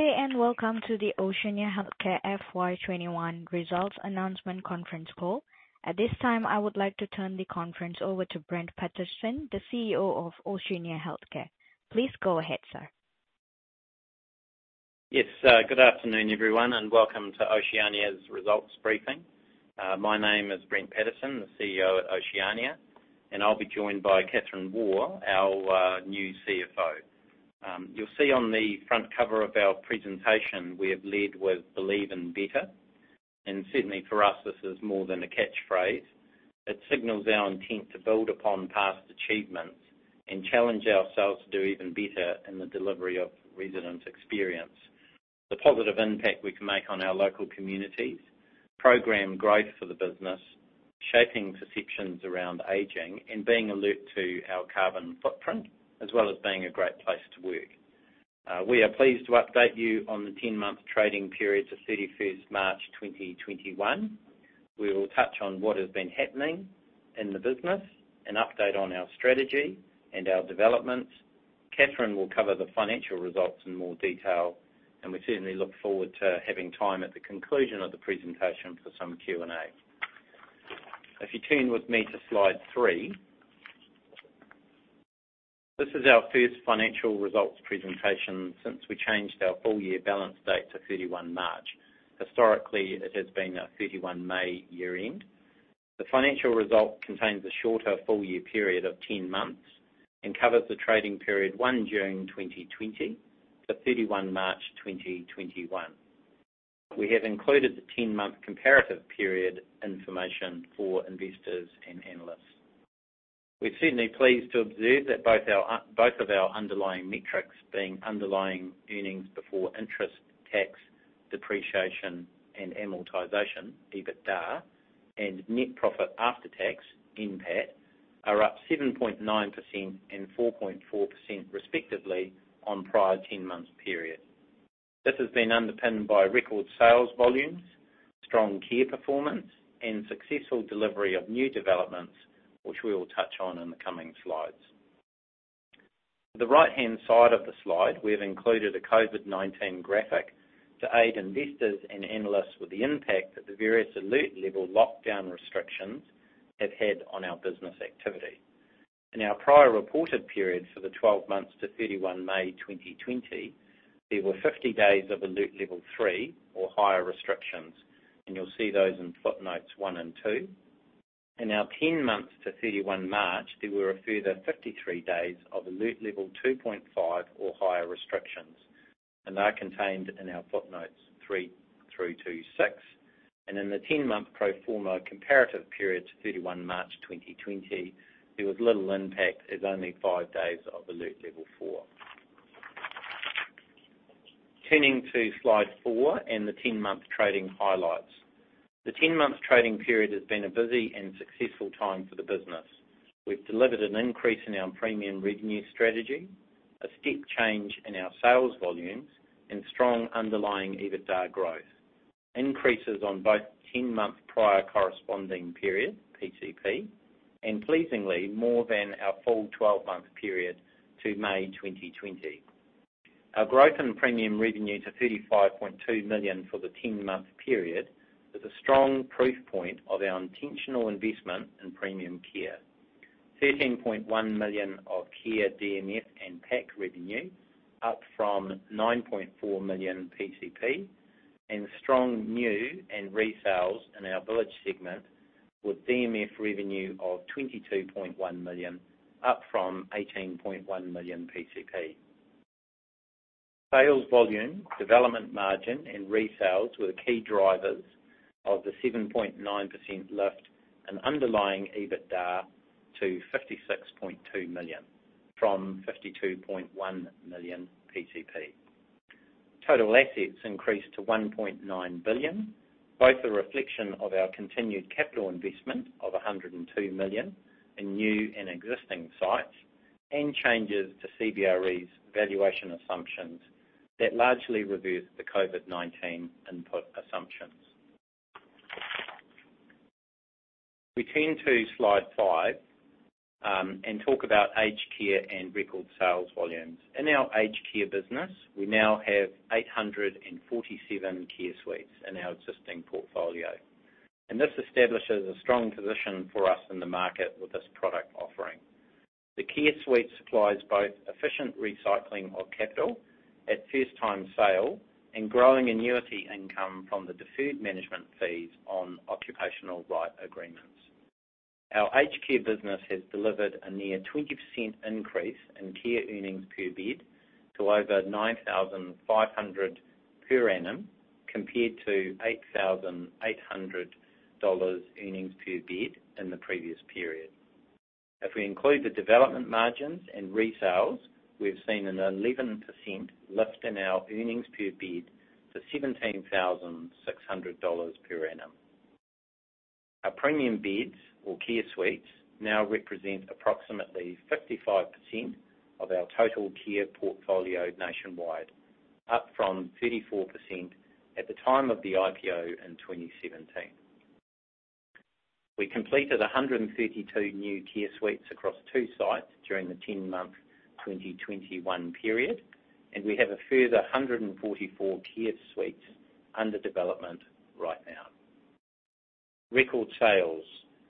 Good day, welcome to the Oceania Healthcare FY 2021 results announcement conference call. At this time, I would like to turn the conference over to Brent Pattison, the CEO of Oceania Healthcare. Please go ahead, sir. Yes. Good afternoon, everyone, and welcome to Oceania's results briefing. My name is Brent Pattison, the CEO at Oceania, and I'll be joined by Kathryn Waugh, our new CFO. You'll see on the front cover of our presentation, we have led with Believe in Better, and certainly for us, this is more than a catchphrase. It signals our intent to build upon past achievements and challenge ourselves to do even better in the delivery of resident experience. The positive impact we can make on our local communities, program growth for the business, shaping perceptions around aging, and being alert to our carbon footprint, as well as being a great place to work. We are pleased to update you on the 10-month trading period to 31st March 2021. We will touch on what has been happening in the business and update on our strategy and our developments. Kathryn will cover the financial results in more detail, and we certainly look forward to having time at the conclusion of the presentation for some Q&A. If you tune with me to slide three, this is our first financial results presentation since we changed our full-year balance date to March 31. Historically, it has been our May 31 year-end. The financial result contains a shorter full-year period of 10 months and covers the trading period June 1, 2020 to March 31, 2021. We have included the 10-month comparative period information for investors and analysts. We're certainly pleased to observe that both of our underlying metrics being underlying earnings before interest, tax, depreciation, and amortization, EBITDA, and net profit after tax, NPAT, are up 7.9% and 4.4% respectively on prior 10-month period. This has been underpinned by record sales volumes, strong care performance, and successful delivery of new developments, which we'll touch on in the coming slides. On the right-hand side of the slide, we have included a COVID-19 graphic to aid investors and analysts with the impact that the various alert level lockdown restrictions have had on our business activity. In our prior reported periods for the 12 months to 31 May 2020, there were 50 days of alert Level 3 or higher restrictions, and you'll see those in footnotes one and two. In our 10 months to 31 March, there were a further 53 days of alert level 2.5 or higher restrictions, and they're contained in our footnotes three through to six. In the 10-month pro forma comparative period to 31 March 2020, there was little impact as only five days of alert Level 4. Turning to slide four and the 10-month trading highlights. The 10-month trading period has been a busy and successful time for the business. We've delivered an increase in our premium revenue strategy, a step change in our sales volumes, and strong underlying EBITDA growth. Increases on both the 10-month prior corresponding period, PCP, and pleasingly, more than our full 12-month period to May 2020. Our growth in premium revenue to 35.2 million for the 10-month period is a strong proof point of our intentional investment in premium care. 13.1 million of Care DMF and PAC revenue up from 9.4 million PCP, and strong new and resales in our village segment with DMF revenue of 22.1 million, up from 18.1 million PCP. Sales volume, development margin, and resales were key drivers of the 7.9% lift in underlying EBITDA to 56.2 million from 52.1 million PCP. Total assets increased to 1.9 billion, both a reflection of our continued capital investment of 102 million in new and existing sites, and changes to CBRE's valuation assumptions that largely reversed the COVID-19 input assumptions. We turn to slide five, and talk about aged care and record sales volumes. In our aged care business, we now have 847 Care Suites in our existing portfolio, and this establishes a strong position for us in the market with this product offering. The Care Suite supplies both efficient recycling of capital at first time sale and growing annuity income from the deferred management fees on Occupation Right Agreements. Our aged care business has delivered a near 20% increase in care earnings per bed to over 9,500 per annum, compared to 8,800 dollars earnings per bed in the previous period. If we include the development margins and resales, we've seen an 11% lift in our earnings per bed to 17,600 dollars per annum. Our premium beds or Care Suites now represent approximately 55% of our total care portfolio nationwide, up from 34% at the time of the IPO in 2017. We completed 132 new Care Suites across two sites during the 10-month 2021 period, and we have a further 144 Care Suites under development right now. Record sales.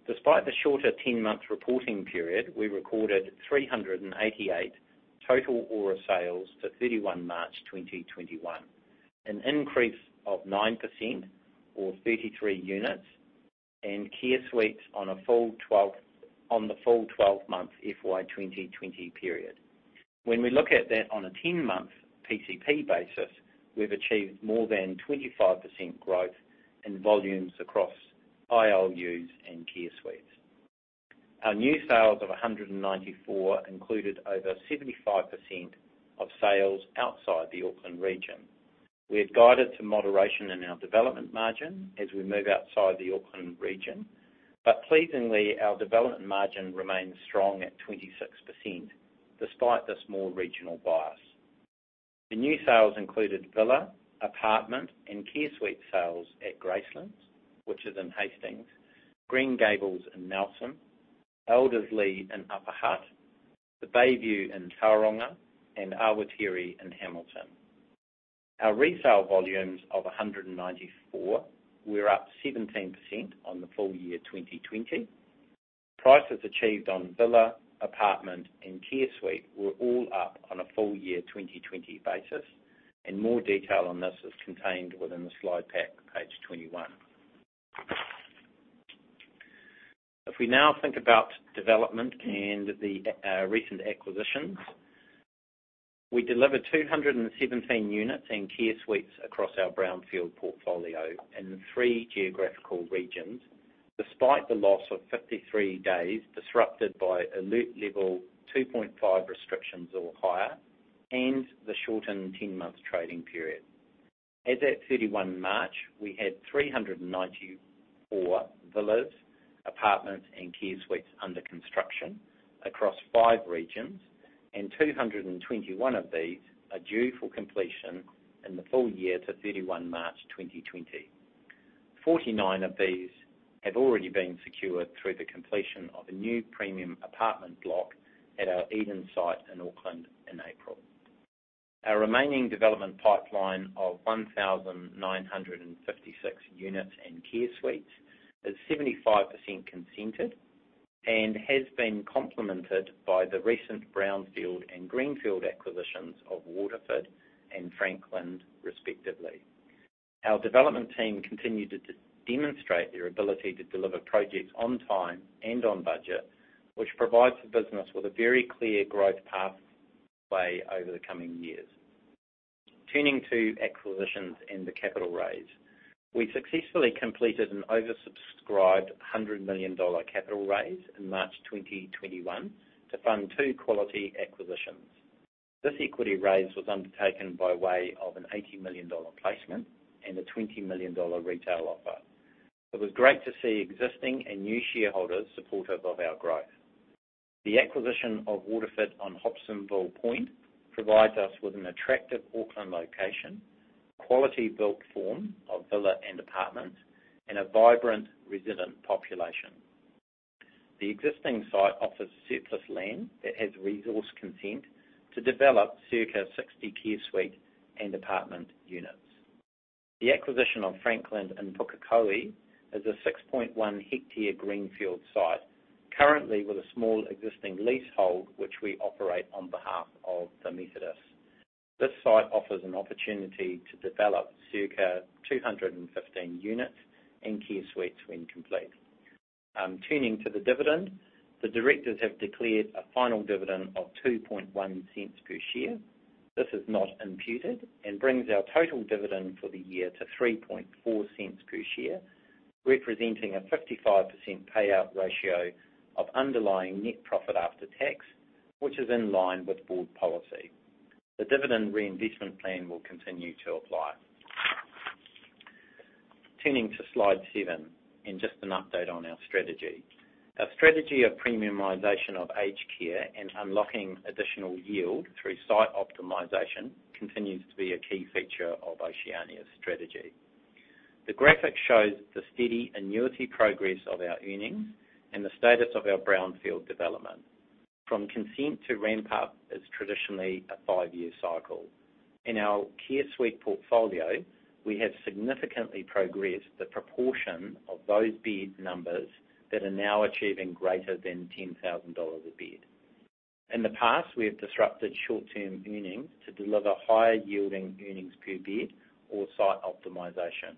Despite the shorter 10-month reporting period, we recorded 388 total ORA sales to 31 March 2021, an increase of 9% or 33 units and Care Suites on the full 12 months FY 2020 period. When we look at that on a 10-month PCP basis, we've achieved more than 25% growth in volumes across ILUs and Care Suites. Our new sales of 194 included over 75% of sales outside the Auckland region. We have guided to moderation in our development margin as we move outside the Auckland region. Pleasingly, our development margin remains strong at 26%, despite the small regional bias. The new sales included villa, apartment, and Care Suite sales at Gracelands, which is in Hastings, Green Gables in Nelson, Elderslea in Upper Hutt, The Bayview in Tauranga, and Awatere in Hamilton. Our resale volumes of 194 were up 17% on the full year 2020. Prices achieved on villa, apartment, and Care Suite were all up on a full year 2020 basis, and more detail on this is contained within the slide pack, page 21. If we now think about development and our recent acquisitions, we delivered 217 units and Care Suites across our brownfield portfolio in three geographical regions, despite the loss of 53 days disrupted by alert level 2.5 restrictions or higher, and the shortened 10-month trading period. As at 31 March, we had 394 villas, apartments, and Care Suites under construction across five regions. 221 of these are due for completion in the full year to 31 March 2020. 49 of these have already been secured through the completion of a new premium apartment block at our Eden site in Auckland in April. Our remaining development pipeline of 1,956 units and Care Suites is 75% consented and has been complemented by the recent brownfield and greenfield acquisitions of Waterford and Franklin, respectively. Our development team continue to demonstrate their ability to deliver projects on time and on budget, which provides the business with a very clear growth pathway over the coming years. Turning to acquisitions and the capital raise. We successfully completed an oversubscribed 100 million dollars capital raise in March 2021 to fund two quality acquisitions. This equity raise was undertaken by way of an 80 million dollar placement and an 20 million dollar retail offer. It was great to see existing and new shareholders supportive of our growth. The acquisition of Waterford on Hobsonville Point provides us with an attractive Auckland location, quality built form of villa and apartment, and a vibrant resident population. The existing site offers surplus land that has resource consent to develop circa 60 Care Suites and apartment units. The acquisition of Franklin in Pukekohe is a 6.1 hectare greenfield site, currently with a small existing leasehold, which we operate on behalf of the Methodists. This site offers an opportunity to develop circa 215 units and Care Suites when complete. Turning to the dividend. The directors have declared a final dividend of 0.021 per share. This is not imputed and brings our total dividend for the year to 0.034 per share, representing a 55% payout ratio of underlying net profit after tax, which is in line with board policy. The dividend reinvestment plan will continue to apply. Turning to Slide seven, just an update on our strategy. Our strategy of premiumization of aged care and unlocking additional yield through site optimization continues to be a key feature of Oceania's strategy. The graphic shows the steady annuity progress of our earnings and the status of our brownfield development. From consent to ramp up is traditionally a five-year cycle. In our Care Suite portfolio, we have significantly progressed the proportion of those bed numbers that are now achieving greater than 10,000 dollars a bed. In the past, we have disrupted short-term earnings to deliver higher yielding earnings per bed or site optimization.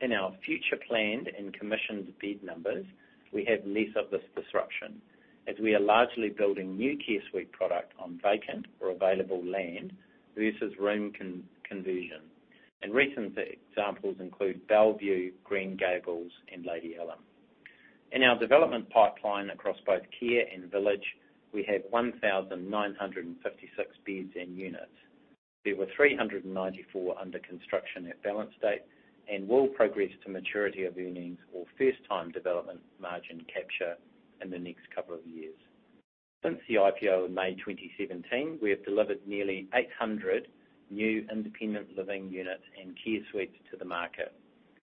In our future planned and commissioned bed numbers, we have less of this disruption as we are largely building new Care Suite product on vacant or available land versus room conversion. Recent examples include Bellevue, Green Gables, and Lady Allum. In our development pipeline across both care and village, we have 1,956 beds and units. There were 394 under construction at balance date and will progress to maturity of earnings or first-time development margin capture in the near future. Since the IPO in May 2017, we have delivered nearly 800 new independent living units and Care Suites to the market,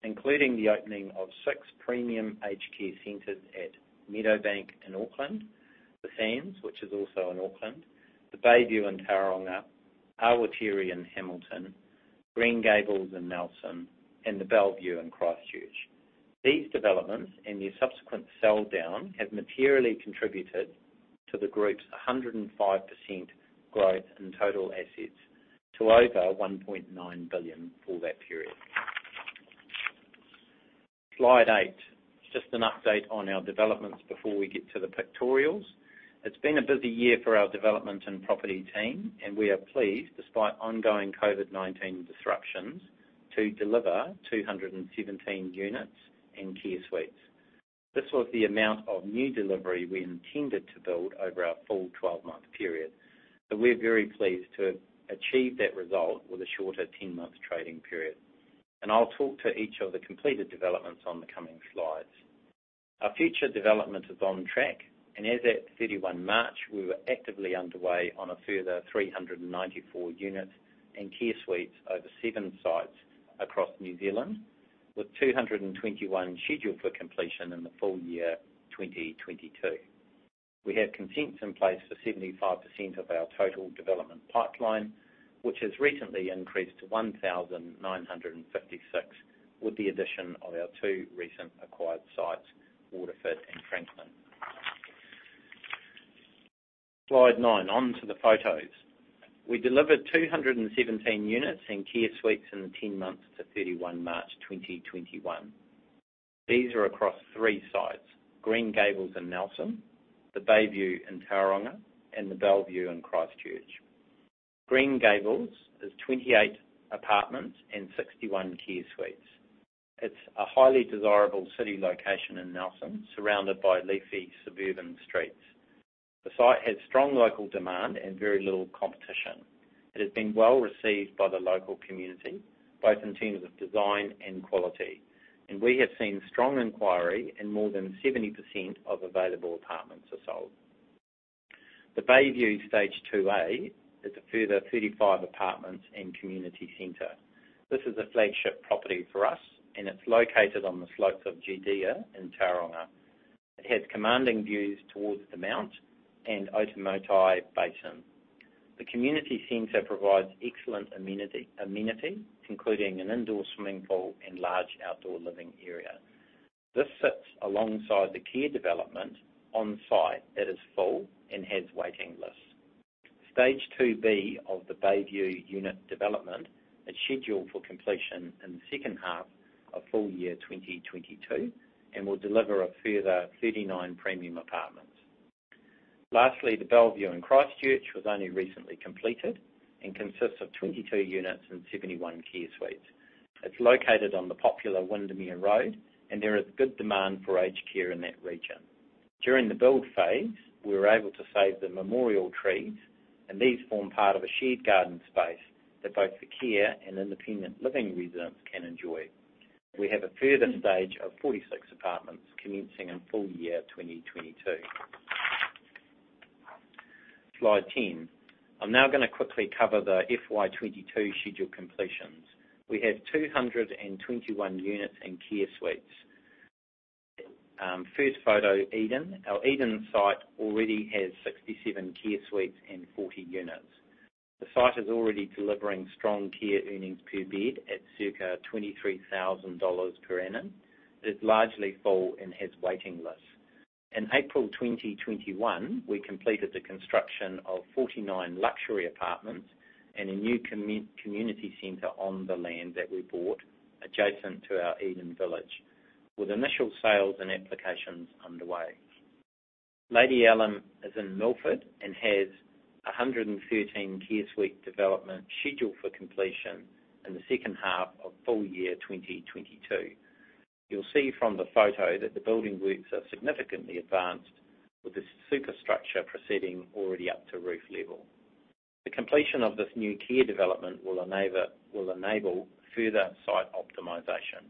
including the opening of six premium aged care centers at Meadowbank in Auckland, The Sands, which is also in Auckland, The Bayview in Tauranga, Awatere in Hamilton, Green Gables in Nelson, and the Bellevue in Christchurch. These developments and their subsequent sell down have materially contributed to the group's 105% growth in total assets to over 1.9 billion for that period. Slide eight, just an update on our developments before we get to the pictorials. It's been a busy year for our development and property team, and we are pleased, despite ongoing COVID-19 disruptions, to deliver 217 units and Care Suites. This was the amount of new delivery we intended to build over our full 12-month period, so we're very pleased to have achieved that result with a shorter 10-month trading period. I'll talk to each of the completed developments on the coming slides. Our future developments are on track, and as at 31 March, we were actively underway on a further 394 units and Care Suites over seven sites across New Zealand, with 221 scheduled for completion in the full year 2022. We have consents in place for 75% of our total development pipeline, which has recently increased to 1,956 with the addition of our two recent acquired sites, Waterford and Franklin. Slide nine. On to the photos. We delivered 217 units and Care Suites in the 10 months to 31 March 2021. These are across three sites, Green Gables in Nelson, The Bayview in Tauranga, and the Bellevue in Christchurch. Green Gables is 28 apartments and 61 Care Suites. It's a highly desirable city location in Nelson, surrounded by leafy suburban streets. The site had strong local demand and very little competition. It has been well-received by the local community, both in terms of design and quality, and we have seen strong inquiry and more than 70% of available apartments are sold. The Bayview Stage 2A is a further 35 apartments and community center. This is a flagship property for us, and it's located on the slopes of Judea in Tauranga. It has commanding views towards the mount and Otumoetai Basin. The community center provides excellent amenity, including an indoor swimming pool and large outdoor living area. This sits alongside the care development on-site that is full and has waiting lists. Stage 2B of The Bayview unit development is scheduled for completion in the second half of full year 2022 and will deliver a further 39 premium apartments. Lastly, the Bellevue in Christchurch was only recently completed and consists of 22 units and 71 care suites. It's located on the popular Windermere Road, and there is good demand for aged care in that region. During the build phase, we were able to save the memorial trees, and these form part of a shared garden space that both the care and independent living residents can enjoy. We have a further stage of 46 apartments commencing in full year 2022. Slide 10. I'm now going to quickly cover the FY 2022 scheduled completions. We have 221 units and Care Suites. First photo, Eldon. Our Eldon site already has 67 Care Suites and 40 units. The site is already delivering strong care earnings per bed at circa 23,000 dollars per annum. It is largely full and has waiting lists. In April 2021, we completed the construction of 49 luxury apartments and a new community center on the land that we bought adjacent to our Eldon village, with initial sales and applications underway. Lady Allum is in Milford and has 113 Care Suite development scheduled for completion in the second half of full year 2022. You'll see from the photo that the building works are significantly advanced with the superstructure proceeding already up to roof level. The completion of this new care development will enable further site optimization.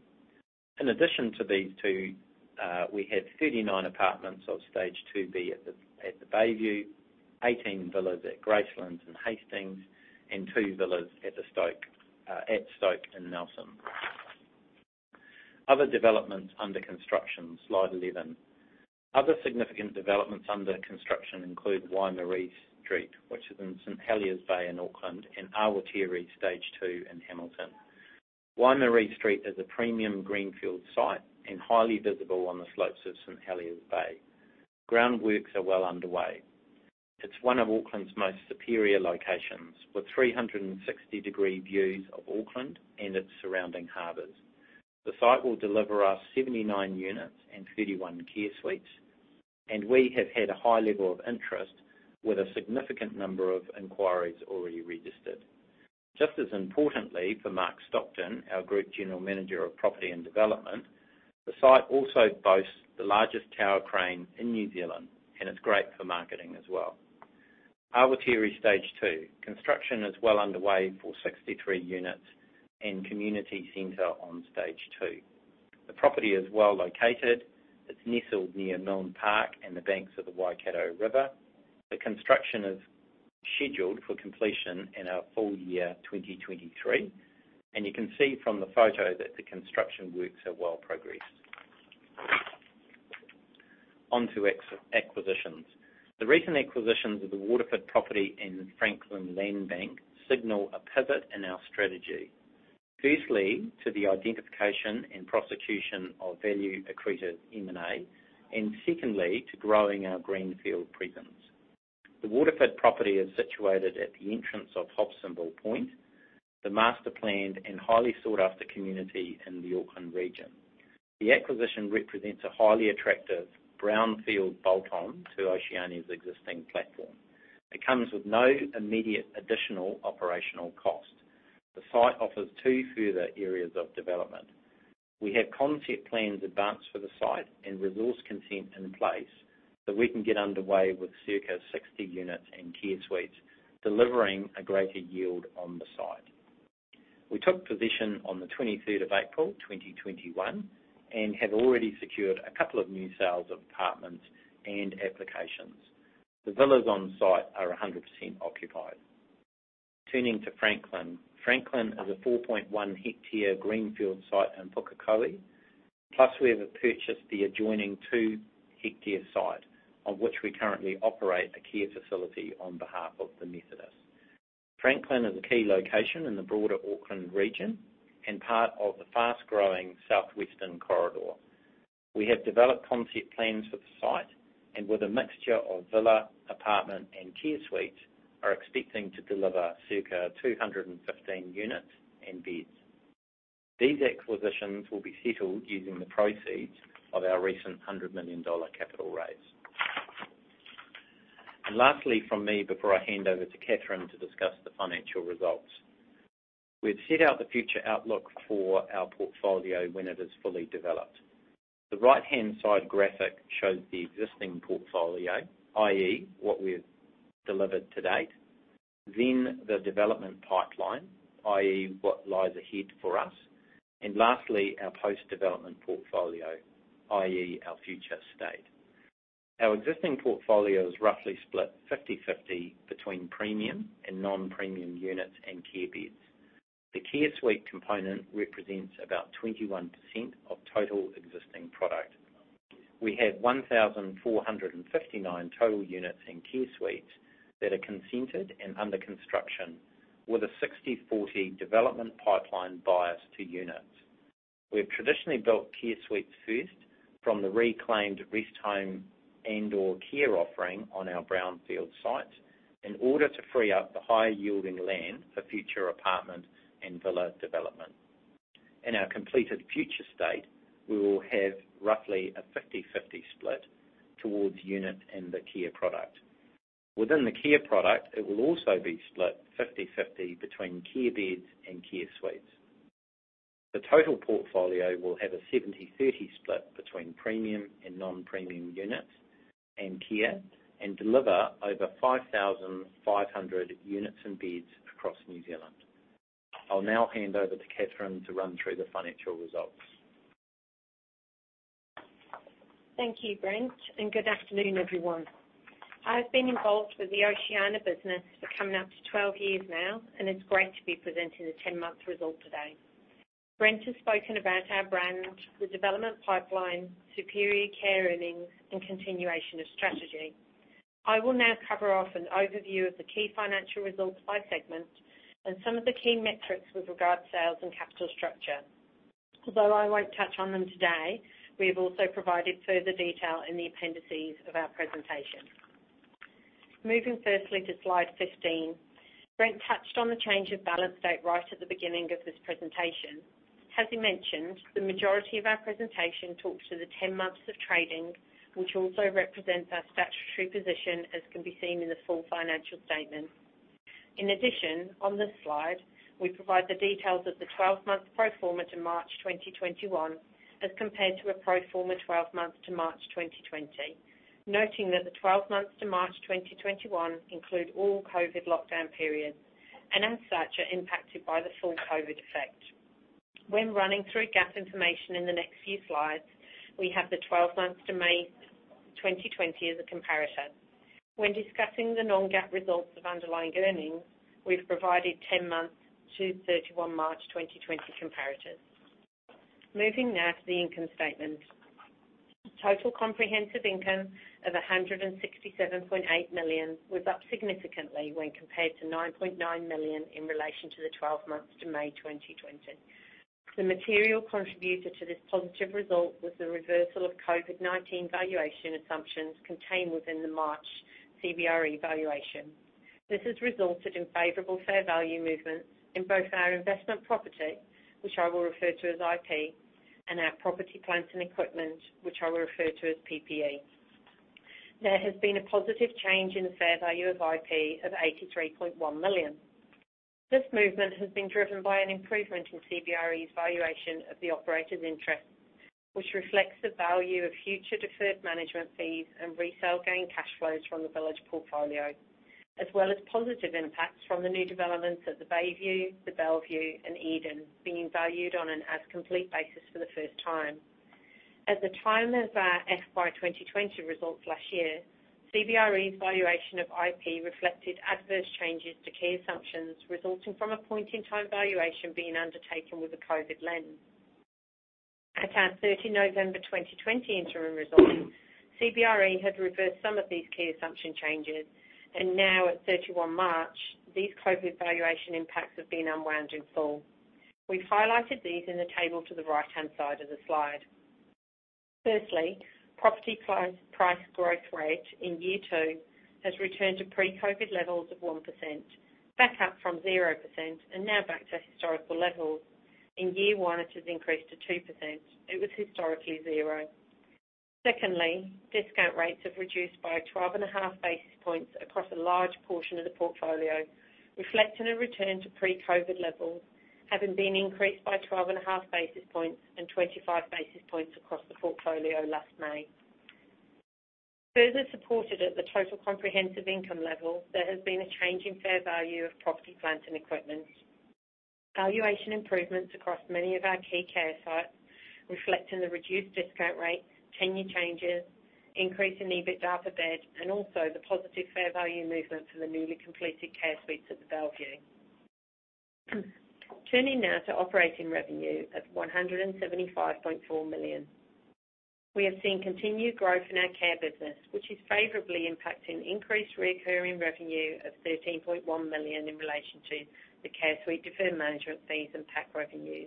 In addition to these two, we have 39 apartments of Stage 2B at The Bayview, 18 villas at Gracelands in Hastings, two villas at Stoke in Nelson. Other developments under construction, Slide 11. Other significant developments under construction include Waimarie Street, which is in St Heliers Bay in Auckland, and Awatere Stage 2 in Hamilton. Waimarie Street is a premium greenfield site and highly visible on the slopes of St Heliers Bay. Groundworks are well underway. It's one of Auckland's most superior locations, with 360-degree views of Auckland and its surrounding harbors. The site will deliver us 79 units and 31 Care Suites, and we have had a high level of interest with a significant number of inquiries already registered. Just as importantly for Mark Stockton, our Group General Manager of Property and Development, the site also boasts the largest tower crane in New Zealand, and it's great for marketing as well. Awatere Stage 2. Construction is well underway for 63 units and community center on Stage 2. The property is well-located. It's nestled near Milne Park and the banks of the Waikato River. The construction is scheduled for completion in our full year 2023. You can see from the photo that the construction works are well progressed. On to acquisitions. The recent acquisitions of the Waterford property and the Franklin land bank signal a pivot in our strategy, firstly, to the identification and prosecution of value-accreted M&A, and secondly, to growing our greenfield presence. The Waterford property is situated at the entrance of Hobsonville Point, the master-planned and highly sought-after community in the Auckland region. The acquisition represents a highly attractive brownfield bolt-on to Oceania's existing platform. It comes with no immediate additional operational cost. The site offers two further areas of development. We have concept plans advanced for the site and resource consent in place, so we can get underway with circa 60 units and Care Suites, delivering a greater yield on the site. We took position on the 23rd of April 2021 and have already secured a couple of new sales of apartments and applications. The villas on-site are 100% occupied. Turning to Franklin. We have purchased the adjoining two-hectare site on which we currently operate a care facility on behalf of the Methodists. Franklin is a key location in the broader Auckland region and part of the fast-growing south-western corridor. We have developed concept plans for the site, with a mixture of villa, apartment, and Care Suites, are expecting to deliver circa 215 units and beds. These acquisitions will be settled using the proceeds of our recent 100 million dollar capital raise. Lastly from me, before I hand over to Kathryn to discuss the financial results. We've set out the future outlook for our portfolio when it is fully developed. The right-hand side graphic shows the existing portfolio, i.e., what we've delivered to date, the development pipeline, i.e., what lies ahead for us, lastly, our post-development portfolio, i.e., our future state. Our existing portfolio is roughly split 50/50 between premium and non-premium units and care beds. The Care Suite component represents about 21% of total existing product. We have 1,459 total units and Care Suites that are consented and under construction, with a 60/40 development pipeline bias to units. We have traditionally built Care Suites first from the reclaimed rest home and/or care offering on our brownfield sites in order to free up the higher-yielding land for future apartment and villa development. In our completed future state, we will have roughly a 50/50 split towards units in the care product. Within the care product, it will also be split 50/50 between care beds and Care Suites. The total portfolio will have a 70/30 split between premium and non-premium units and care and deliver over 5,500 units and beds across New Zealand. I'll now hand over to Kathryn to run through the financial results. Thank you, Brent, and good afternoon, everyone. I've been involved with the Oceania business for coming up to 12 years now, and it's great to be presenting the 10-month results today. Brent has spoken about our brand, the development pipeline, superior care earnings, and continuation of strategy. I will now cover off an overview of the key financial results by segment and some of the key metrics with regard to sales and capital structure. Although I won't touch on them today, we have also provided further detail in the appendices of our presentation. Moving firstly to Slide 15. Brent touched on the change of balance date right at the beginning of this presentation. As he mentioned, the majority of our presentation talks to the 10 months of trading, which also represents our statutory position, as can be seen in the full financial statements. On this slide, we provide the details of the 12 months pro forma to March 2021 as compared to a pro forma 12 months to March 2020. Noting that the 12 months to March 2021 include all COVID lockdown periods and as such, are impacted by the full COVID effect. When running through GAAP information in the next few slides, we have the 12 months to May 2020 as a comparator. When discussing the non-GAAP results of underlying earnings, we've provided 10 months to 31 March 2020 comparatives. Moving now to the income statement. Total comprehensive income of 167.8 million was up significantly when compared to 9.9 million in relation to the 12 months to May 2020. The material contributor to this positive result was the reversal of COVID-19 valuation assumptions contained within the March CBRE revaluation. This has resulted in favorable fair value movements in both our investment property, which I will refer to as IP, and our property, plant, and equipment, which I will refer to as PPE. There has been a positive change in the fair value of IP of 83.1 million. This movement has been driven by an improvement in CBRE's valuation of the operator's interest, which reflects the value of future deferred management fees and resale gain cash flows from the Village portfolio, as well as positive impacts from the new developments at the Bayview, the Bellevue, and Eden being valued on an as-complete basis for the first time. At the time of our FY 2020 results last year, CBRE's valuation of IP reflected adverse changes to key assumptions resulting from a point-in-time valuation being undertaken with a COVID lens. At our November 30, 2020 interim results, CBRE has reversed some of these key assumption changes, and now at March 31, these COVID valuation impacts have been unwound in full. We highlighted these in the table to the right-hand side of the slide. Firstly, property price growth rate in year two has returned to pre-COVID levels of 1%, back up from 0%, and now back to historical levels. In year one, it has increased to 2%. It was historically zero. Secondly, discount rates have reduced by 12.5 basis points across a large portion of the portfolio, reflecting a return to pre-COVID levels, having been increased by 12.5 basis points and 25 basis points across the portfolio last May. Further supported at the total comprehensive income level, there has been a change in fair value of property, plant, and equipment. Valuation improvements across many of our key care sites, reflecting the reduced discount rates, tenure changes, increase in EBITDA per bed, and also the positive fair value movement from the newly completed Care Suites at the Awatere. Turning now to operating revenue of 175.4 million. We have seen continued growth in our care business, which is favorably impacting increased reoccurring revenue of 13.1 million in relation to the Care Suite deferred management fees and PAC revenue.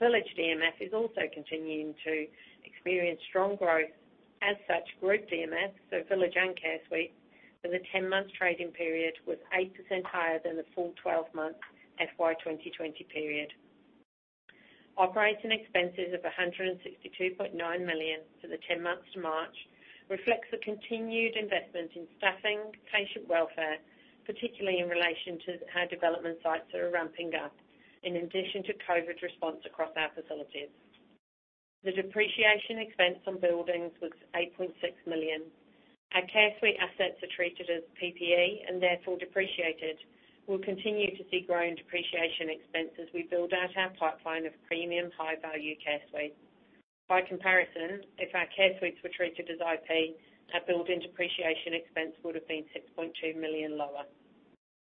Village DMF is also continuing to experience strong growth. As such, group DMF for Village and Care Suites in the 10-month trading period was 8% higher than the full 12-month FY 2020 period. Operating expenses of 162.9 million for the 10 months to March reflects the continued investments in staffing, patient welfare, particularly in relation to our development sites that are ramping up, in addition to COVID-19 response across our facilities. The depreciation expense on buildings was 8.6 million. Our Care Suite assets are treated as PPE and therefore depreciated. We'll continue to see growing depreciation expense as we build out our pipeline of premium high-value Care Suites. By comparison, if our Care Suites were treated as IP, our building depreciation expense would have been 6.2 million lower.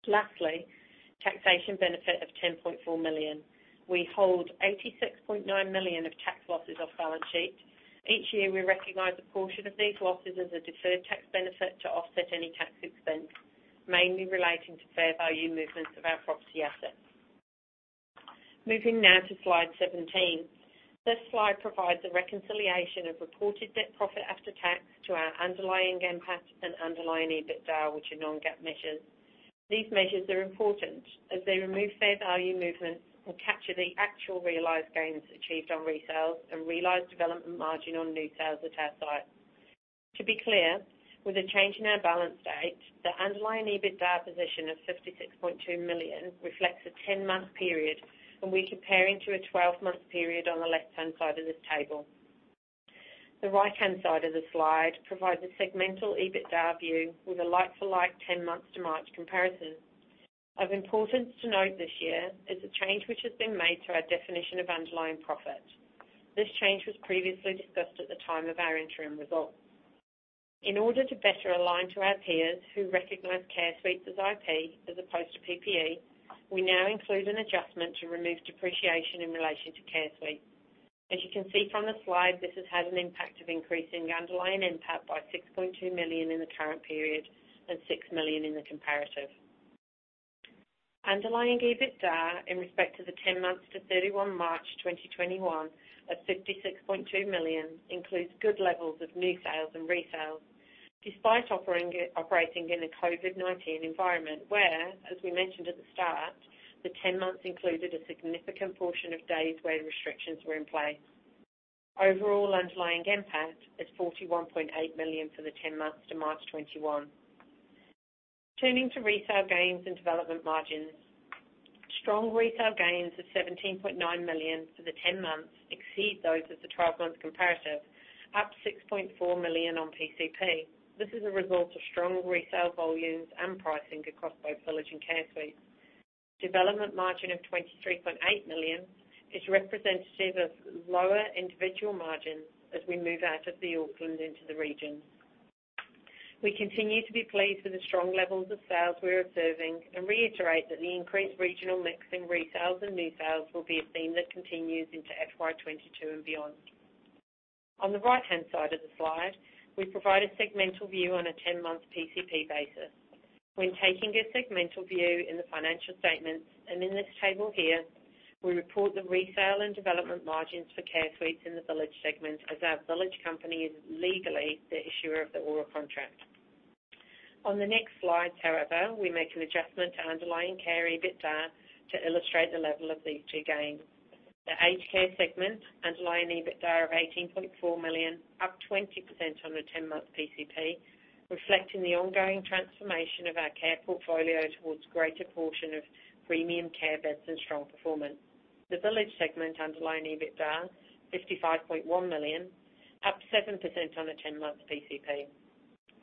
Lastly, taxation benefit of 10.4 million. We hold 86.9 million of tax losses off our sheet. Each year, we recognize a portion of these losses as a deferred tax benefit to offset any tax expense, mainly relating to fair value movements of our property assets. Moving now to slide 17. This slide provides a reconciliation of reported net profit after tax to our underlying NPAT and underlying EBITDA, which are non-GAAP measures. These measures are important as they remove fair value movements and capture the actual realized gains achieved on resales and realized development margin on new sales at our sites. To be clear, with a change in our balance date, the underlying EBITDA position of 56.2 million reflects a 10-month period and we compare into a 12-month period on the left-hand side of the table. The right-hand side of the slide provides a segmental EBITDA view with a like-for-like 10-month to March comparison. Of importance to note this year is the change which has been made to our definition of underlying profit. This change was previously discussed at the time of our interim results. In order to better align to our peers who recognize Care Suites as IP, as opposed to PPE, we now include an adjustment to remove depreciation in relation to Care Suites. As you can see from the slide, this has had an impact of increasing underlying NPAT by 6.2 million in the current period and 6 million in the comparative. Underlying EBITDA in respect to the 10 months to 31 March 2021 at 56.2 million includes good levels of new sales and resales despite operating in a COVID-19 environment where, as we mentioned at the start, the 10 months included a significant portion of days where restrictions were in place. Overall, underlying NPAT is 41.8 million for the 10 months to March 2021. Turning to resale gains and development margins. Strong resale gains of 17.9 million for the 10 months exceed those of the 12-month comparative, up 6.4 million on PCP. This is a result of strong resale volumes and pricing across both Village and Care Suites. Development margin of 23.8 million is representative of lower individual margins as we move out of the Auckland into the regions. We continue to be pleased with the strong levels of sales we are observing and reiterate that the increased regional mix in resales and new sales will be a theme that continues into FY 2022 and beyond. On the right-hand side of the slide, we provide a segmental view on a 10-month PCP basis. When taking a segmental view in the financial statements and in this table here, we report the resale and development margins for Care Suites in the Village segment as our Village company is legally the issuer of the ORA contracts. On the next slide, however, we make an adjustment to underlying care EBITDA to illustrate the level of these two gains. The aged care segment underlying EBITDA of 18.4 million, up 20% on the 10-month PCP, reflecting the ongoing transformation of our care portfolio towards greater portion of premium care beds and strong performance. The village segment underlying EBITDA, 55.1 million, up 7% on the 10-month PCP.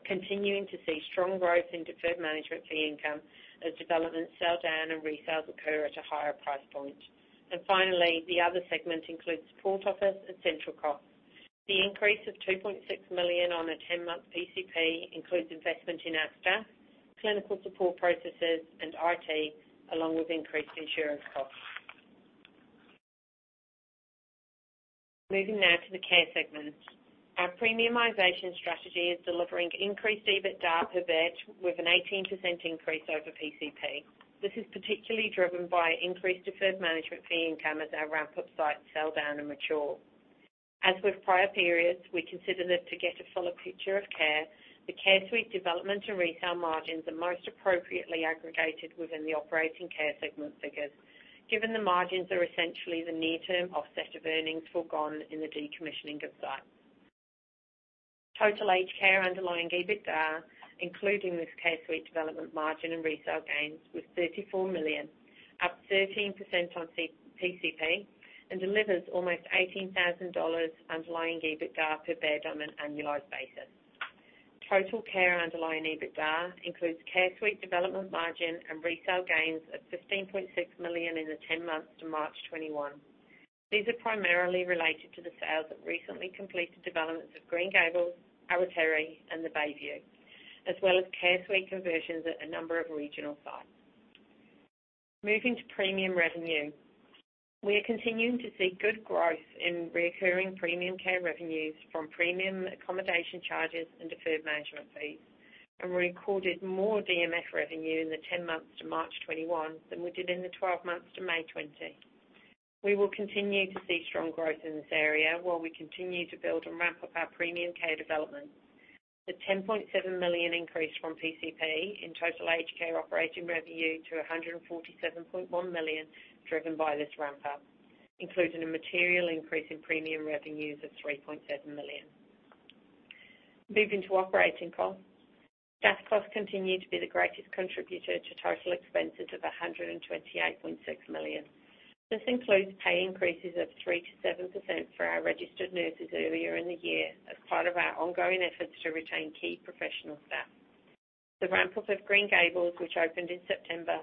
Continuing to see strong growth in deferred management fee income as developments sell down and resales occur at a higher price point. Finally, the other segment includes support office and central costs. The increase of 2.6 million on a 10-month PCP includes investment in our staff, clinical support processes, and IT, along with increased insurance costs. Moving now to the care segment. Our premiumization strategy is delivering increased EBITDA per bed with an 18% increase over PCP. This is particularly driven by increased deferred management fee income as our ramp-up sites sell down and mature. As with prior periods, we consider that to get a fuller picture of care, the Care Suite development and resale margins are most appropriately aggregated within the operating care segment figures, given the margins are essentially the near-term offset of earnings forgone in the decommissioning of sites. Total aged care underlying EBITDA, including this Care Suite development margin and resale gains, was 34 million, up 13% on PCP, and delivers almost 18,000 dollars underlying EBITDA per bed on an annualized basis. Total care underlying EBITDA includes Care Suite development margin and resale gains of 15.6 million in the 10 months to March 2021. These are primarily related to the sales of recently completed developments at Green Gables, Awatere, and The Bayview, as well as Care Suite conversions at a number of regional sites. Moving to premium revenue. We are continuing to see good growth in recurring premium care revenues from Premium Accommodation Charges and deferred management fees, and we recorded more DMF revenue in the 10 months to March 2021 than we did in the 12 months to May 2020. We will continue to see strong growth in this area while we continue to build and ramp up our premium care developments. The 10.7 million increase from PCP in total aged care operating revenue to 147.1 million is driven by this ramp up, including a material increase in premium revenues of 3.7 million. Moving to operating costs. Staff costs continue to be the greatest contributor to total expenses of 128.6 million. This includes pay increases of 3%-7% for our registered nurses earlier in the year as part of our ongoing efforts to retain key professional staff. The ramp-up of Green Gables, which opened in September,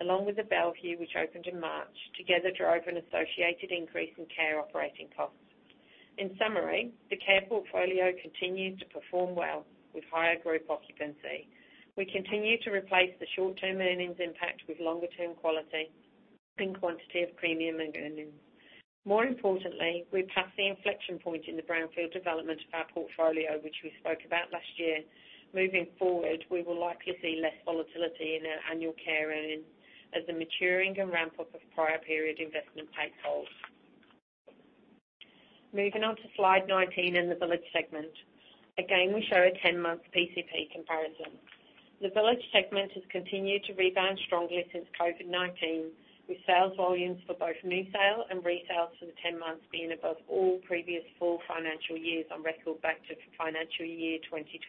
along with The Bellevue, which opened in March, together drove an associated increase in care operating costs. In summary, the care portfolio continues to perform well with higher group occupancy. We continue to replace the short-term earnings impact with longer-term quality, increasing quantity of premium and earnings. More importantly, we've passed the inflection point in the brownfield development of our portfolio, which we spoke about last year. Moving forward, we will likely see less volatility in our annual care earnings as the maturing and ramp-up of prior period investment plays off. Moving on to slide 19 and the village segment. We show a 10-month PCP comparison. The village segment has continued to rebound strongly since COVID-19, with sales volumes for both new sale and resale for the 10 months being above all previous full financial years on a retro-active to financial year 2012.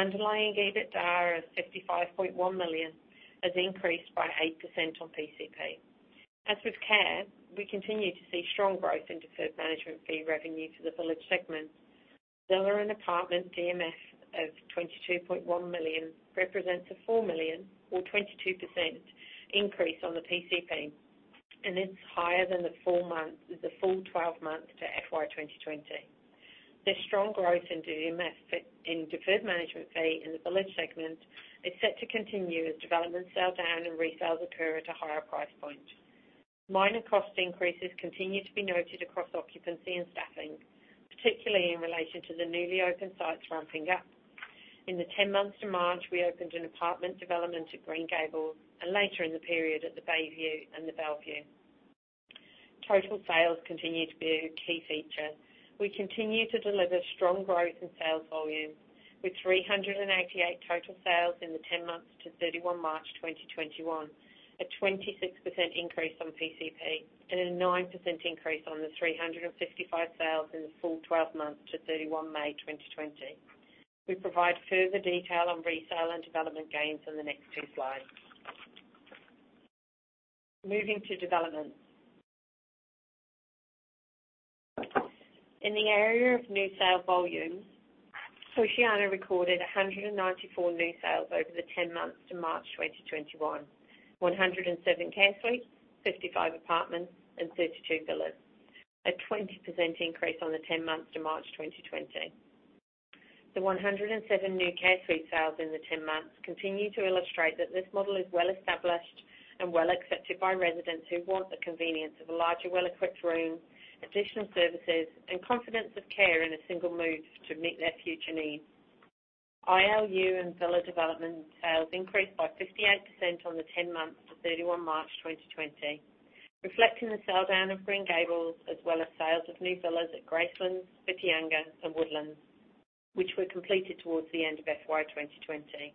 Underlying EBITDA of 55.1 million has increased by 8% on PCP. As with care, we continue to see strong growth in deferred management fee revenue to the village segment. Villa and apartment DMF of 22.1 million represents a 4 million or 22% increase on the PCP, and is higher than the full 12 months to FY 2020. This strong growth in DMF, in deferred management fee in the village segment, is set to continue as developments sell down and resales occur at a higher price point. Minor cost increases continue to be noted across occupancy and staffing, particularly in relation to the newly opened sites ramping up. In the 10 months to March, we opened an apartment development at Green Gables and later in the period at The Bayview and The Bellevue. Total sales continue to be a key feature. We continue to deliver strong growth in sales volumes with 388 total sales in the 10 months to 31 March 2021, a 26% increase on PCP and a 9% increase on the 355 sales in the full 12 months to 31 May 2020. We provide further detail on resale and development gains in the next few slides. Moving to developments. In the area of new sale volumes, Oceania recorded 194 new sales over the 10 months to March 2021. 107 Care Suites, 55 apartments, and 32 villas. A 20% increase on the 10 months to March 2020. The 107 new Care Suite sales in the 10 months continue to illustrate that this model is well-established and well accepted by residents who want the convenience of a larger, well-equipped room, additional services, and confidence of care in a single move to meet their future needs. ILU and villa development sales increased by 58% on the 10 months to 31 March 2020, reflecting the sell-down of Green Gables as well as sales of new villas at Gracelands, Whitianga, and Woodlands, which were completed towards the end of FY 2020.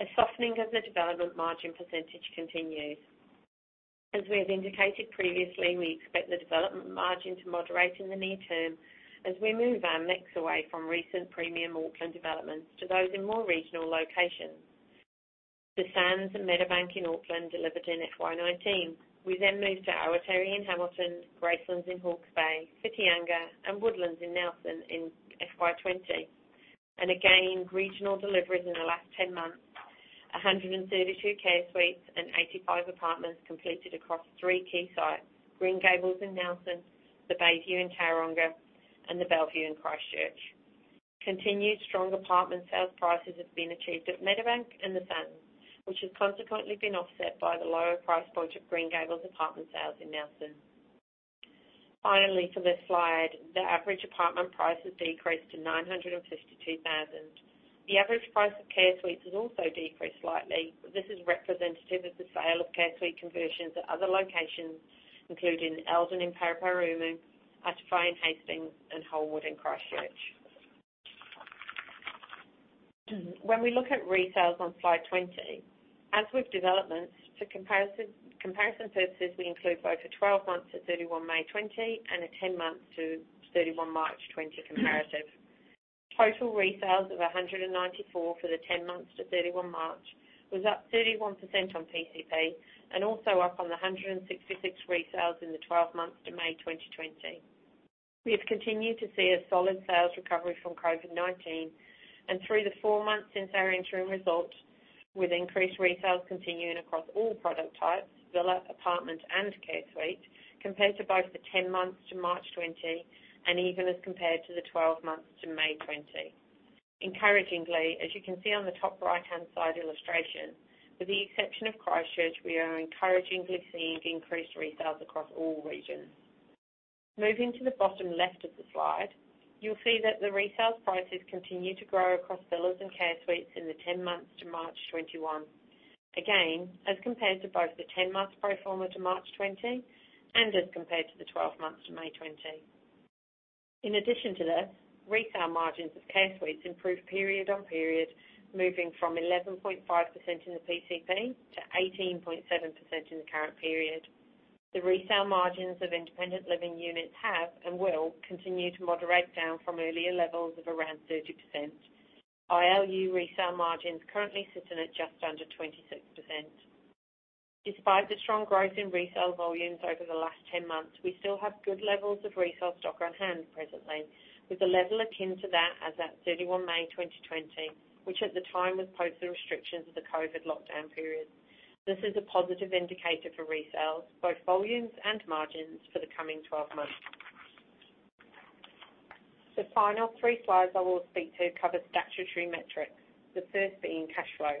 A softening of the development margin percentage continues. As we have indicated previously, we expect the development margin to moderate in the near term as we move our mix away from recent premium Auckland developments to those in more regional locations. The Sands and Meadowbank in Auckland delivered in FY 2019. We moved to Awatere in Hamilton, Gracelands in Hawke's Bay, Whitianga, and Woodlands in Nelson in FY 2020. Again, regional deliveries in the last 10 months, 132 Care Suites and 85 apartments completed across three key sites, Green Gables in Nelson, The Bayview in Tauranga, and The Bellevue in Christchurch. Continued strong apartment sales prices have been achieved at Meadowbank and The Sands, which has consequently been offset by the lower price point of Green Gables apartment sales in Nelson. Finally, for this slide, the average apartment price has decreased to 952,000. The average price of Care Suites has also decreased slightly, but this is representative of the sale of Care Suite conversions at other locations, including Eldon in Paraparaumu, Astor in Hastings, and Holmwood in Christchurch. When we look at resales on Slide 20. As with developments, for comparison purposes, we include both the 12 months to 31 May 2020, and the 10 months to 31 March 2020 comparative. Total resales of 194 for the 10 months to 31 March, was up 31% on PCP and also up on the 166 resales in the 12 months to May 2020. We have continued to see a solid sales recovery from COVID-19 and through the four months since our interim results, with increased resales continuing across all product types, villas, apartments, and Care Suites, compared to both the 10 months to March 2020 and even as compared to the 12 months to May 2020. Encouragingly, as you can see on the top right-hand side illustration, with the exception of Christchurch, we are encouragingly seeing increased resales across all regions. Moving to the bottom left of the slide, you'll see that the resale prices continued to grow across villas and Care Suites in the 10 months to March 2021. Again, as compared to both the 10-month pro forma to March 2020, and as compared to the 12 months to May 2020. In addition to this, resale margins for Care Suites improved period on period, moving from 11.5% in the PCP to 18.7% in the current period. The resale margins of independent living units have and will continue to moderate down from earlier levels of around 30%. ILU resale margins currently sitting at just under 26%. Despite the strong growth in resale volumes over the last 10 months, we still have good levels of resale stock on hand presently, with a level akin to that as at 31 May 2020, which at the time was post the restrictions of the COVID-19 lockdown period. This is a positive indicator for resales, both volumes and margins, for the coming 12 months. The final three slides I will speak to cover statutory metrics, the first being cash flow.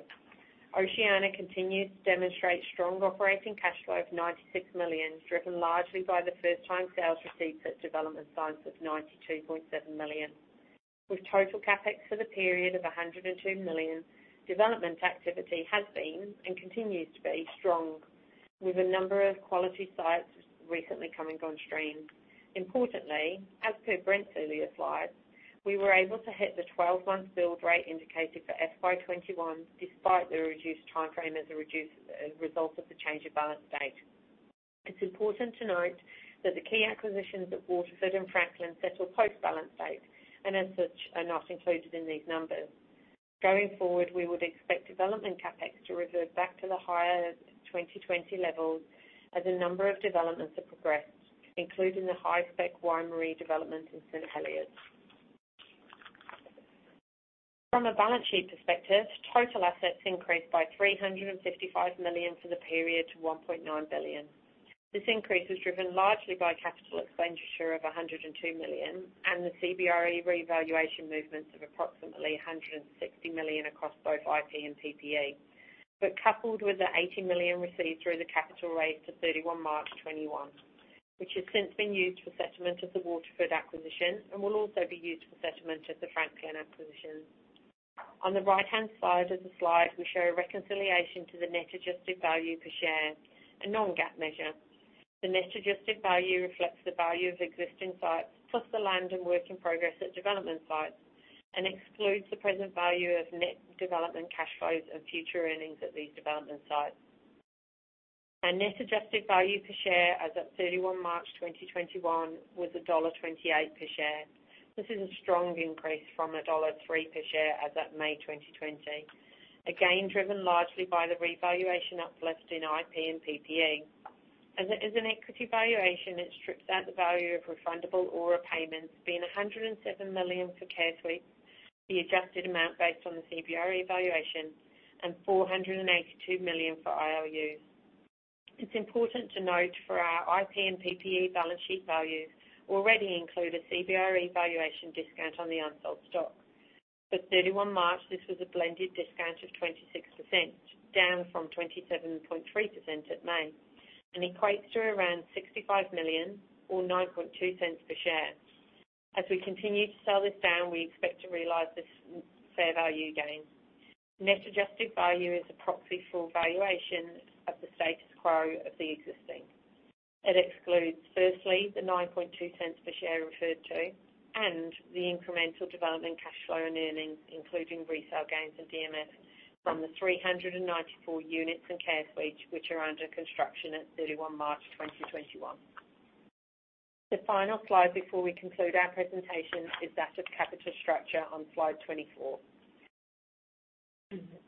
Oceania continues to demonstrate strong operating cash flow of 96 million, driven largely by the first-time sale proceeds at development sites of 92.7 million. With total CapEx for the period of 102 million, development activity has been, and continues to be, strong, with a number of quality sites recently coming on stream. Importantly, as per Brent's earlier slides, we were able to hit the 12-month build rate indicated for FY 2021 despite the reduced timeframe as a result of the change of balance date. It's important to note that the key acquisitions at Waterford and Franklin settled post-balance date, and as such, are not included in these numbers. Going forward, we would expect development CapEx to revert back to the higher 2020 levels as a number of developments have progressed, including the high-spec Waimarie development in St Heliers. From a balance sheet perspective, total assets increased by 355 million for the period to 1.9 billion. This increase is driven largely by capital expenditure of 102 million and the CBRE revaluation movements of approximately 160 million across both IP and PPE. Coupled with the 80 million received through the capital raise to 31 March 2021, which has since been used for settlement of the Waterford acquisition and will also be used for settlement of the Franklin acquisition. On the right-hand side of the slide, we show a reconciliation to the net adjusted value per share, a non-GAAP measure. The net adjusted value reflects the value of existing sites, plus the land and work in progress at development sites, and excludes the present value of net development cash flows and future earnings at these development sites. Our net adjusted value per share as at 31 March 2021 was dollar 1.28 per share. This is a strong increase from dollar 1.03 per share as at May 2020. Again, driven largely by the revaluation uplift in IP and PPE. As an equity valuation, it strips out the value of refundable ORA payments, being 107 million for Care Suites, the adjusted amount based on the CBRE valuation, and 482 million for ILUs. It's important to note for our IP and PPE balance sheet values already include a CBRE valuation discount on the unsold stock. At 31 March, this was a blended discount of 26%, down from 27.3% at May, and equates to around 65 million or 0.092 per share. As we continue to sell this down, we expect to realize this fair value gain. Net adjusted value is a proxy for valuation at the date of acquisition. It excludes firstly, the 0.092 per share referred to and the incremental development cash flow and earnings, including retail gains and DMFs from the 394 units and Care Suites, which are under construction at 31 March 2021. The final slide before we conclude our presentation is that of capital structure on slide 24.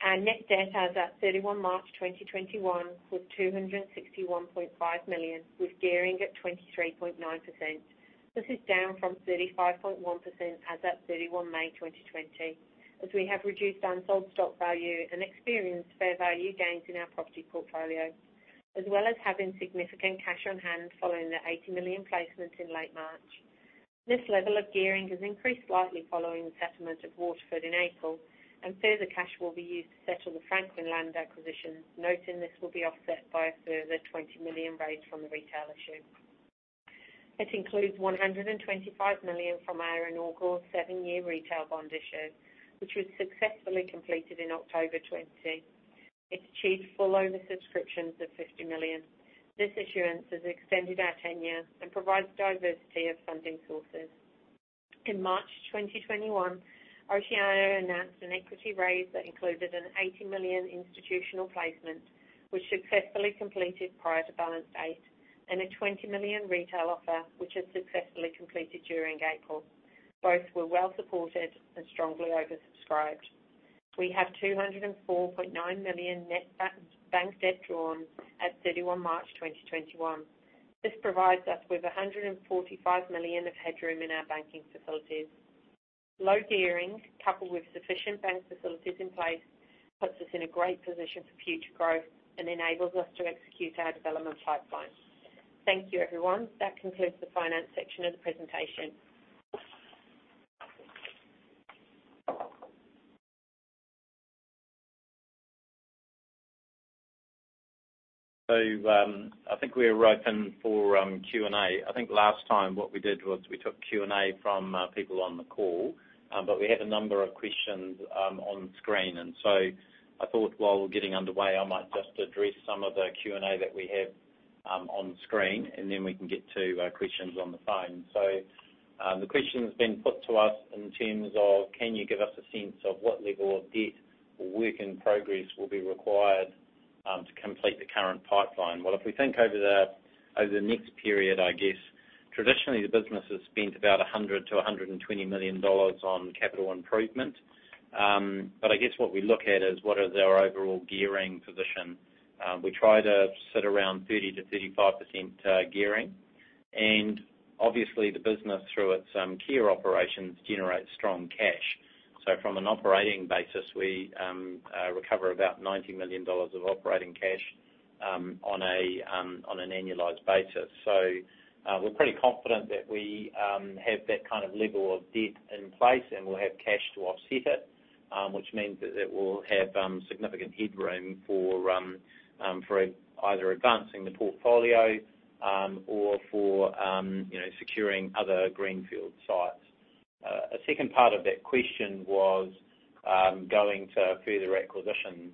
Our net debt as at 31 March 2021 was 261.5 million, with gearing at 23.9%. This is down from 35.1% as at 31 May 2020, as we have reduced our sold stock value and experienced fair value gains in our property portfolio, as well as having significant cash on hand following the NZD 80 million placement in late March. Further cash will be used to settle the Franklin land acquisition, noting this will be offset by a further 20 million raised from the retail issue. It includes 125 million from our inaugural seven-year retail bond issue, which was successfully completed in October 2020. It achieved full oversubscriptions of 50 million. This issuance has extended our tenure and provides diversity of funding sources. In March 2021, Oceania announced an equity raise that included an 80 million institutional placement, which successfully completed prior to balance date, and an 20 million retail offer, which has successfully completed during April. Both were well-supported and strongly oversubscribed. We have 204.9 million net bank debt drawn at 31 March 2021. This provides us with 145 million of headroom in our banking facilities. Low gearing, coupled with sufficient bank facilities in place, puts us in a great position for future growth and enables us to execute our development pipeline. Thank you, everyone. That concludes the finance section of the presentation. I think we are open for Q&A. I think last time what we did was we took Q&A from people on the call, but we had a number of questions on screen. I thought while we're getting underway, I might just address some of the Q&A that we have on screen, and then we can get to questions on the phone. The question has been put to us in terms of can you give us a sense of what level of debt or work in progress will be required to complete the current pipeline? If we think over the next period, I guess, traditionally the business has spent about 100 million-120 million dollars on capital improvements. I guess what we look at is what is our overall gearing position. We try to sit around 30%-35% gearing. Obviously, the business through its care operations generates strong cash. From an operating basis, we recover about 90 million dollars of operating cash on an annualized basis. We're pretty confident that we have that level of debt in place, and we'll have cash to offset it, which means that it will have significant headroom for either advancing the portfolio or for securing other greenfield sites. A second part of that question was going to further acquisitions.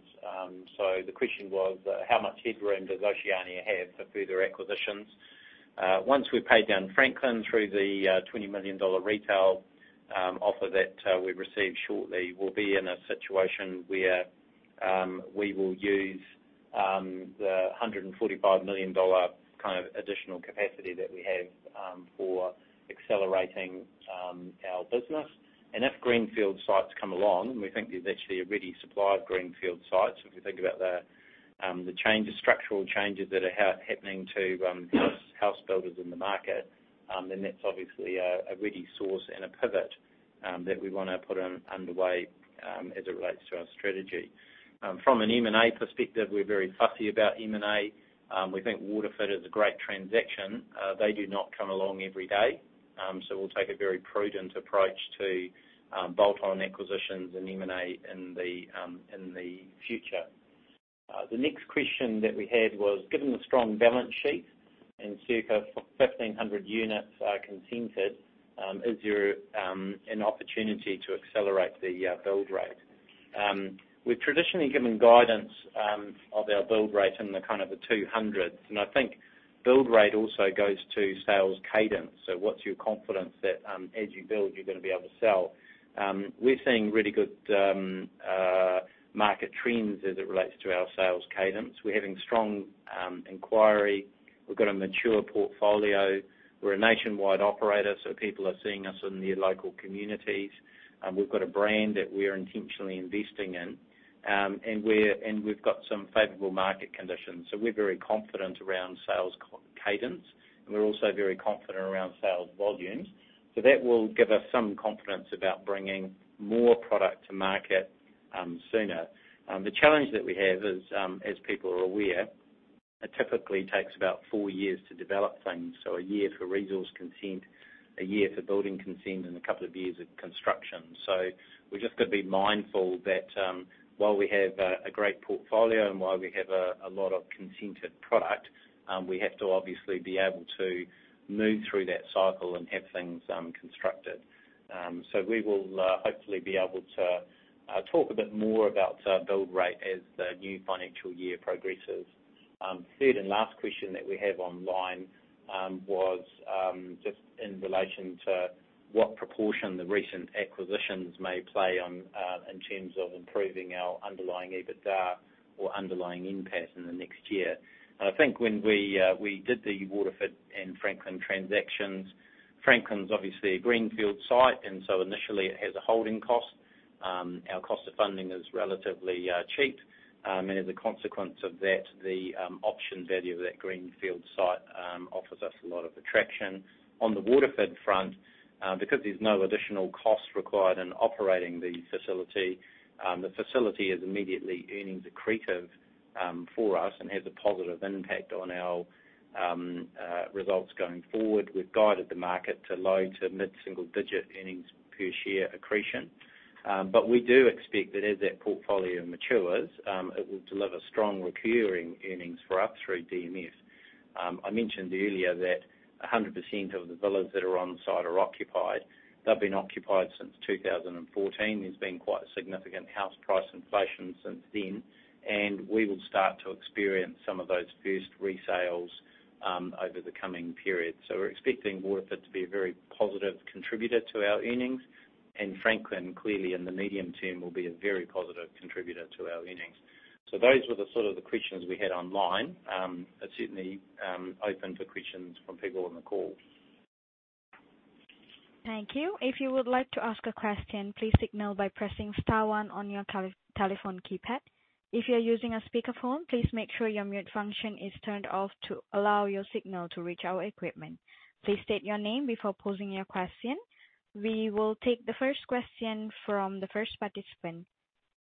The question was how much headroom does Oceania have for further acquisitions? Once we pay down Franklin through the 20 million dollar retail offer that we receive shortly, we'll be in a situation where we will use the 145 million dollar additional capacity that we have for accelerating our business. If greenfield sites come along, we think there's actually a ready supply of greenfield sites, if we think about the structural changes that are happening to house builders in the market, that's obviously a ready source and a pivot that we want to put underway as it relates to our strategy. From an M&A perspective, we're very fussy about M&A. We think Waterford is a great transaction. They do not come along every day. We'll take a very prudent approach to bolt-on acquisitions and M&A in the future. The next question that we had was, given the strong balance sheet and circa 1,500 units are consented, is there an opportunity to accelerate the build rate? We've traditionally given guidance of our build rate in the 200s. I think build rate also goes to sales cadence. What's your confidence that as you build, you're going to be able to sell? We're seeing really good market trends as it relates to our sales cadence. We're having strong inquiry. We've got a mature portfolio. We're a nationwide operator, so people are seeing us in their local communities. We've got a brand that we're intentionally investing in. We've got some favorable market conditions. We're very confident around sales cadence, and we're also very confident around sales volumes. That will give us some confidence about bringing more product to market sooner. The challenge that we have is, as people are aware, it typically takes about four years to develop things. A year for resource consent, a year for building consent, and a couple of years of construction. We've just got to be mindful that while we have a great portfolio and while we have a lot of consented product, we have to obviously be able to move through that cycle and have things constructed. We will hopefully be able to talk a bit more about build rate as the new financial year progresses. Third and last question that we have online was just in relation to what proportion the recent acquisitions may play in terms of improving our underlying EBITDA or underlying NPAT in the next year. I think when we did the Waterford and Franklin transactions, Franklin is obviously a greenfield site, and so initially it has a holding cost. Our cost of funding is relatively cheap. As a consequence of that, the option value of that greenfield site offers us a lot of attraction. On the Waterford front, because there's no additional cost required in operating the facility, the facility is immediately earnings accretive for us and has a positive impact on our results going forward. We've guided the market to low-to-mid single-digit earnings per share accretion. We do expect that as that portfolio matures, it will deliver strong recurring earnings for us through DMF. I mentioned earlier that 100% of the villas that are on-site are occupied. They've been occupied since 2014. There's been quite significant house price inflation since then, and we will start to experience some of those first resales over the coming period. We're expecting Waterford to be a very positive contributor to our earnings, and Franklin clearly in the medium term will be a very positive contributor to our earnings. Those were the sort of questions we had online. I certainly open to questions from people on the call. Thank you. If you would like to ask a question, please signal by pressing star one on your telephone keypad. If you're using a speakerphone, please make sure your mute function is turned off to allow your signal to reach our equipment. Please state your name before posing your question. We will take the first question from the first participant.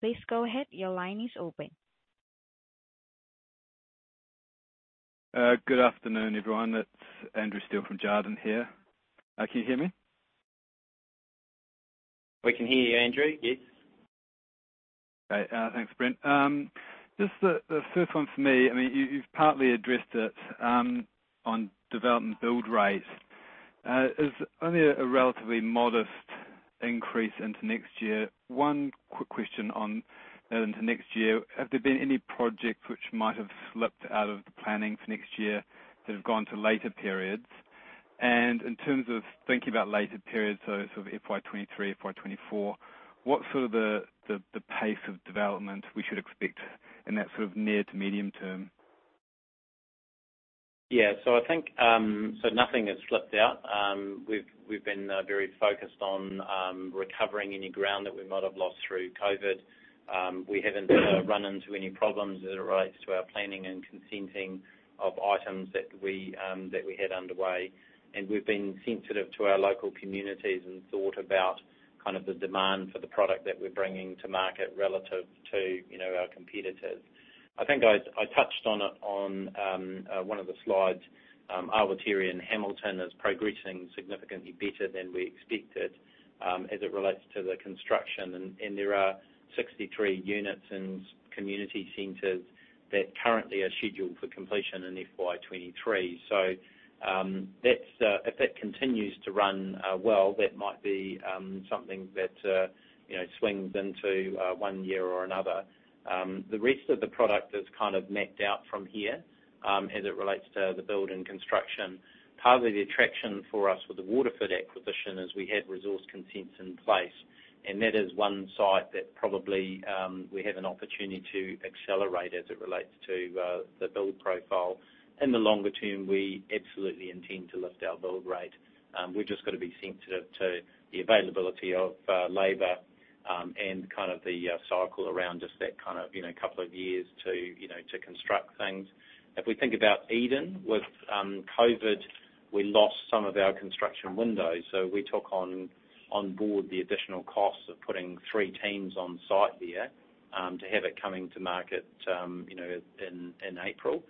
Please go ahead. Your line is open. Good afternoon, everyone. It's Andrew Steele from Jarden here. Can you hear me? We can hear you, Andrew. Yes. Great. Thanks, Brent. Just the first one from me, you've partly addressed it on development build rates. It's only a relatively modest increase into next year. One quick question on into next year, have there been any projects which might have slipped out of the planning for next year that have gone to later periods? In terms of thinking about later periods, so FY 2023, FY 2024, what's the pace of development we should expect in that near to medium term? Yeah. Nothing has slipped out. We've been very focused on recovering any ground that we might have lost through COVID. We haven't run into any problems as it relates to our planning and consenting of items that we had underway. We've been sensitive to our local communities and thought about the demand for the product that we're bringing to market relative to our competitors. I think I touched on it on one of the slides. Awatere in Hamilton is progressing significantly better than we expected as it relates to the construction, and there are 63 units and community centers that currently are scheduled for completion in FY 2023. If that continues to run well, that might be something that swings into one year or another. The rest of the product is mapped out from here as it relates to the building construction. Part of the attraction for us with the Waterford acquisition is we had resource consents in place, and that is one site that probably we have an opportunity to accelerate as it relates to the build profile. In the longer term, we absolutely intend to lift our build rate. We've just got to be sensitive to the availability of labor and the cycle around just that couple of years to construct things. If we think about Eldon, with COVID, we lost some of our construction windows, so we took on board the additional cost of putting three teams on site there to have it coming to market in April.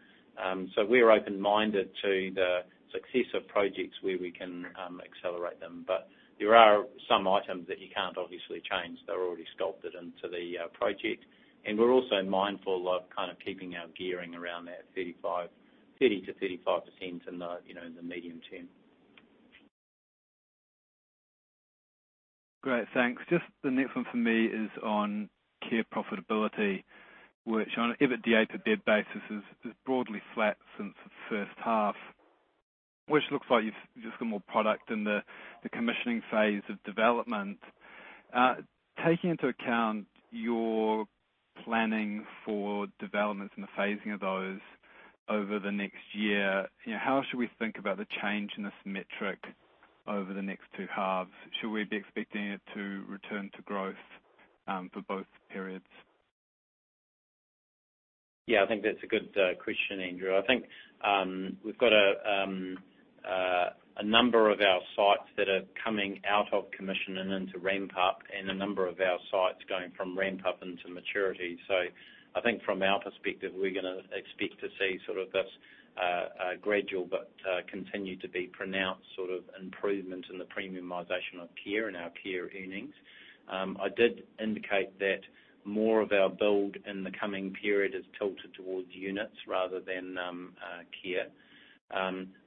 We're open-minded to the success of projects where we can accelerate them. There are some items that you can't obviously change that are already sculpted into the project. We're also mindful of keeping our gearing around that 30%-35% in the medium term. Great. Thanks. Just the next one for me is on care profitability, which on an EBITDA basis is broadly flat since the first half, which looks like you've just got more product in the commissioning phase of development. Taking into account your planning for developments and the phasing of those over the next year, how should we think about the change in this metric over the next two halves? Should we be expecting it to return to growth for both periods? Yeah, I think that's a good question, Andrew. I think we've got a number of our sites that are coming out of commission and into ramp-up, and a number of our sites going from ramp-up into maturity. I think from our perspective, we're going to expect to see this gradual but continue to be pronounced improvement in the premiumization of care and our care earnings. I did indicate that more of our build in the coming period is tilted towards units rather than care.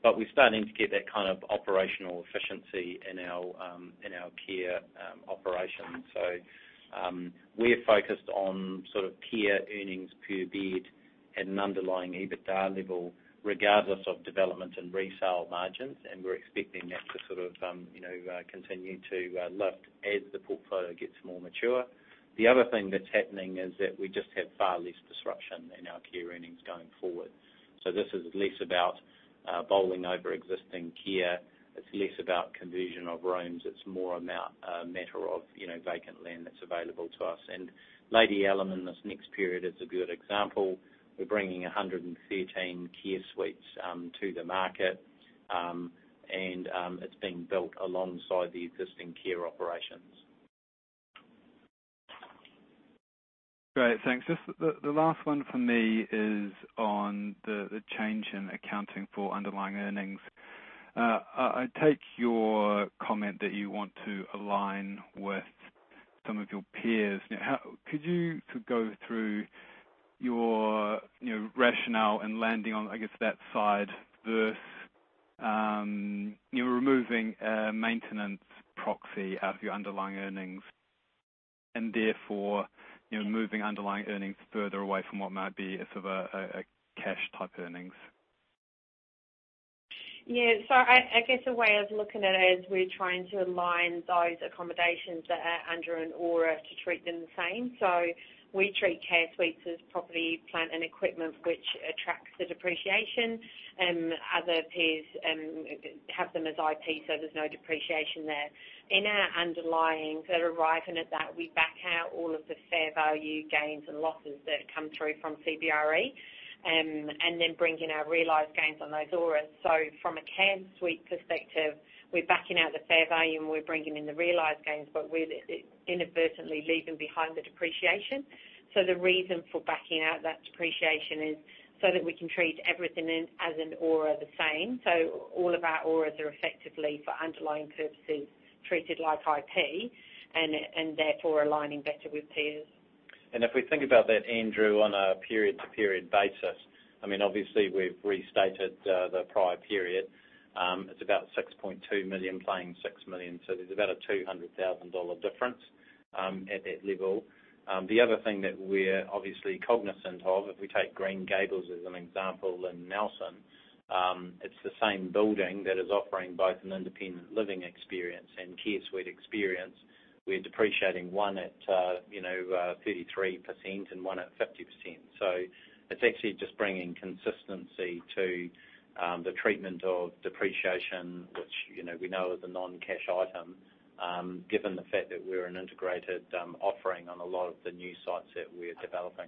We're starting to get that kind of operational efficiency in our care operations. We're focused on care earnings per bed at an underlying EBITDA level, regardless of development and resale margins. We're expecting that to continue to lift as the portfolio gets more mature. The other thing that's happening is that we just have far less disruption in our care earnings going forward. This is less about bowling over existing care, it's less about conversion of rooms. It's more a matter of vacant land that's available to us. Lady Allum in this next period is a good example. We're bringing 113 Care Suites to the market, and it's being built alongside the existing care operations. Great. Thanks. The last one from me is on the change in accounting for underlying earnings. I take your comment that you want to align with some of your peers. Could you go through your rationale and landing on, I guess, that side versus you're removing a maintenance proxy out of your underlying earnings and therefore, you're moving underlying earnings further away from what might be a sort of a cash-type earnings? Yeah. I guess a way of looking at it is we're trying to align those accommodations, Andrew Steele, in ORA to treat them the same. We treat Care Suites as property, plant, and equipment, which attracts the depreciation, and other peers have them as IP, so there's no depreciation there. In our underlying, arriving at that, we back out all of the fair value gains and losses that come through from CBRE, and then bring in our realized gains on those ORAs. From a Care Suite perspective, we're backing out the fair value, and we're bringing in the realized gains, but we're inadvertently leaving behind the depreciation. The reason for backing out that depreciation is so that we can treat everything as an ORA the same. All of our ORAs are effectively, for underlying purposes, treated like IP and therefore aligning better with peers. If we think about that, Andrew, on a period-to-period basis, obviously we've restated the prior period. It's about 6.2 million playing 6 million. There's about a 200,000 dollar difference at that level. The other thing that we're obviously cognizant of, if we take Green Gables as an example in Nelson, it's the same building that is offering both an independent living experience and Care Suite experience. We're depreciating one at 33% and one at 50%. It's actually just bringing consistency to the treatment of depreciation, which we know is a non-cash item, given the fact that we're an integrated offering on a lot of the new sites that we're developing.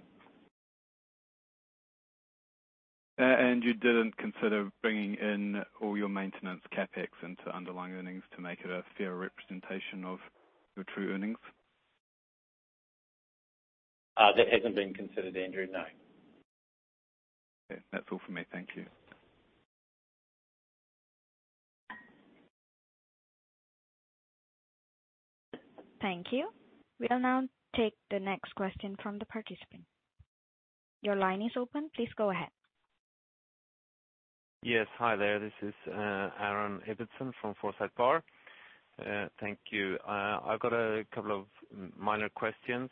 You didn't consider bringing in all your maintenance CapEx into underlying earnings to make it a fairer representation of the true earnings? That hasn't been considered, Andrew, no. Okay. That's all for me. Thank you. Thank you. We'll now take the next question from the participant. Your line is open. Please go ahead. Yes. Hi there. This is Aaron Ibbotson from Forsyth Barr. Thank you. I got a couple of minor questions.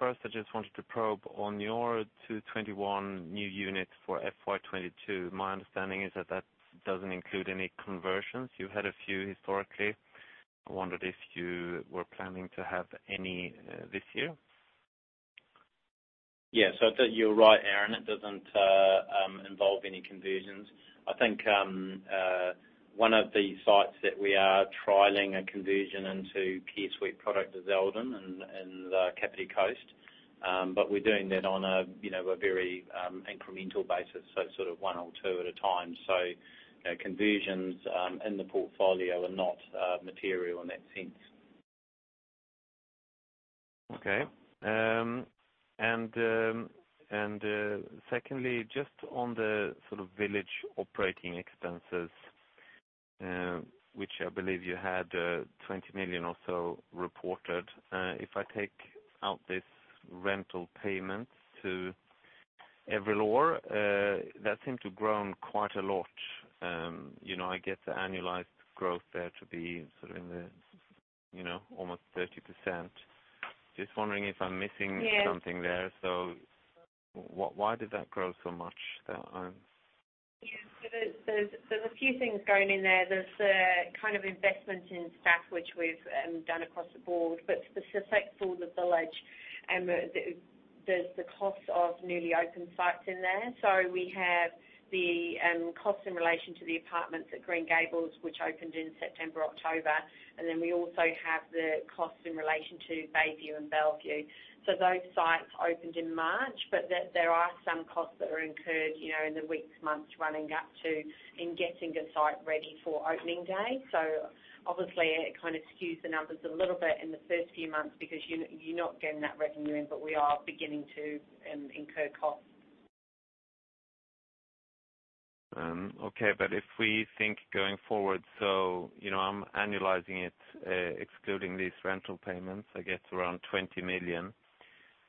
First, I just wanted to probe on your 221 new units for FY 2022. My understanding is that that doesn't include any conversions. You had a few historically. I wondered if you were planning to have any this year. I think you're right, Aaron. It doesn't involve any conversions. I think one of the sites that we are trialing a conversion into Care Suite product is Eldon in Kapiti Coast. We're doing that on a very incremental basis, so sort of one or two at a time. Conversions in the portfolio are not material in that sense. Okay. Secondly, just on the Village operating expenses, which I believe you had 20 million or so reported. If I take out this rental payment to Everil Orr, that seems to grown quite a lot. I guess the annualized growth there to be almost 30%. Just wondering if I'm missing something there? Yeah. Why did that grow so much? Yeah. There's a few things going in there. There's the investment in staff, which we've done across the board, but specific to The Village, there's the cost of newly opened sites in there. We have the cost in relation to the apartments at Green Gables, which opened in September, October, and then we also have the cost in relation to Bayview and Bellevue. Those sites opened in March, but there are still costs that are incurred in the weeks, months running up to in getting a site ready for opening day. Obviously, it kind of skews the numbers a little bit in the first few months because you're not getting that revenue in, but we are beginning to incur costs. If we think going forward, I'm annualizing it, excluding these rental payments, I guess around 20 million.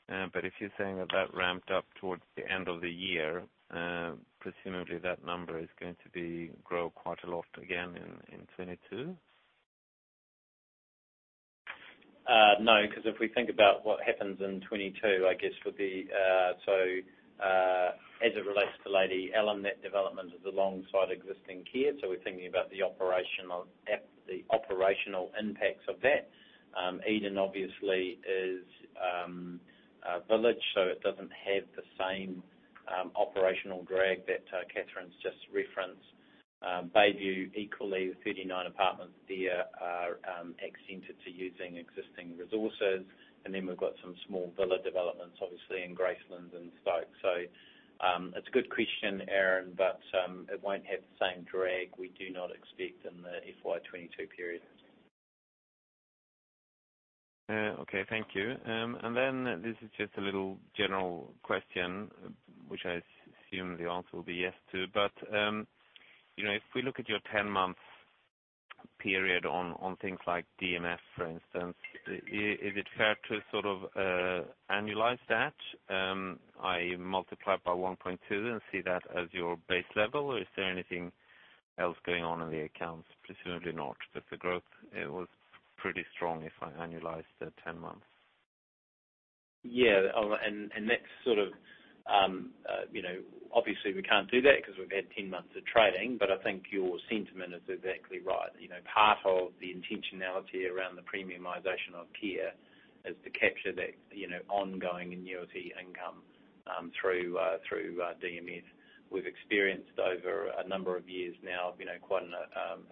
If you're saying that ramped up towards the end of the year, presumably that number is going to grow quite a lot again in 2022. Because if we think about what happens in 2022, as it relates to Lady Allum, that development is alongside existing care. Eldon obviously is a village, it doesn't have the same operational drag that Kathryn's just referenced. Bayview equally, the 39 apartments there are accented to using existing resources. We've got some small villa developments obviously in Gracelands and Stoke. It's a good question, Aaron, it won't have the same drag we do not expect in the FY 2022 period. Okay, thank you. This is just a little general question, which I assume the answer will be yes to. If we look at your 10 months period on things like DMF, for instance, is it fair to sort of annualize that? I multiply by 1.2 and see that as your base level, or is there anything else going on in the accounts? Presumably not, but the growth, it was pretty strong if I annualized the 10 months. Yeah. Obviously we can't do that because we've had 10 months of trading, but I think your sentiment is exactly right. Part of the intentionality around the premiumization of care is to capture that ongoing annuity income through DMF. We've experienced over a number of years now, quite an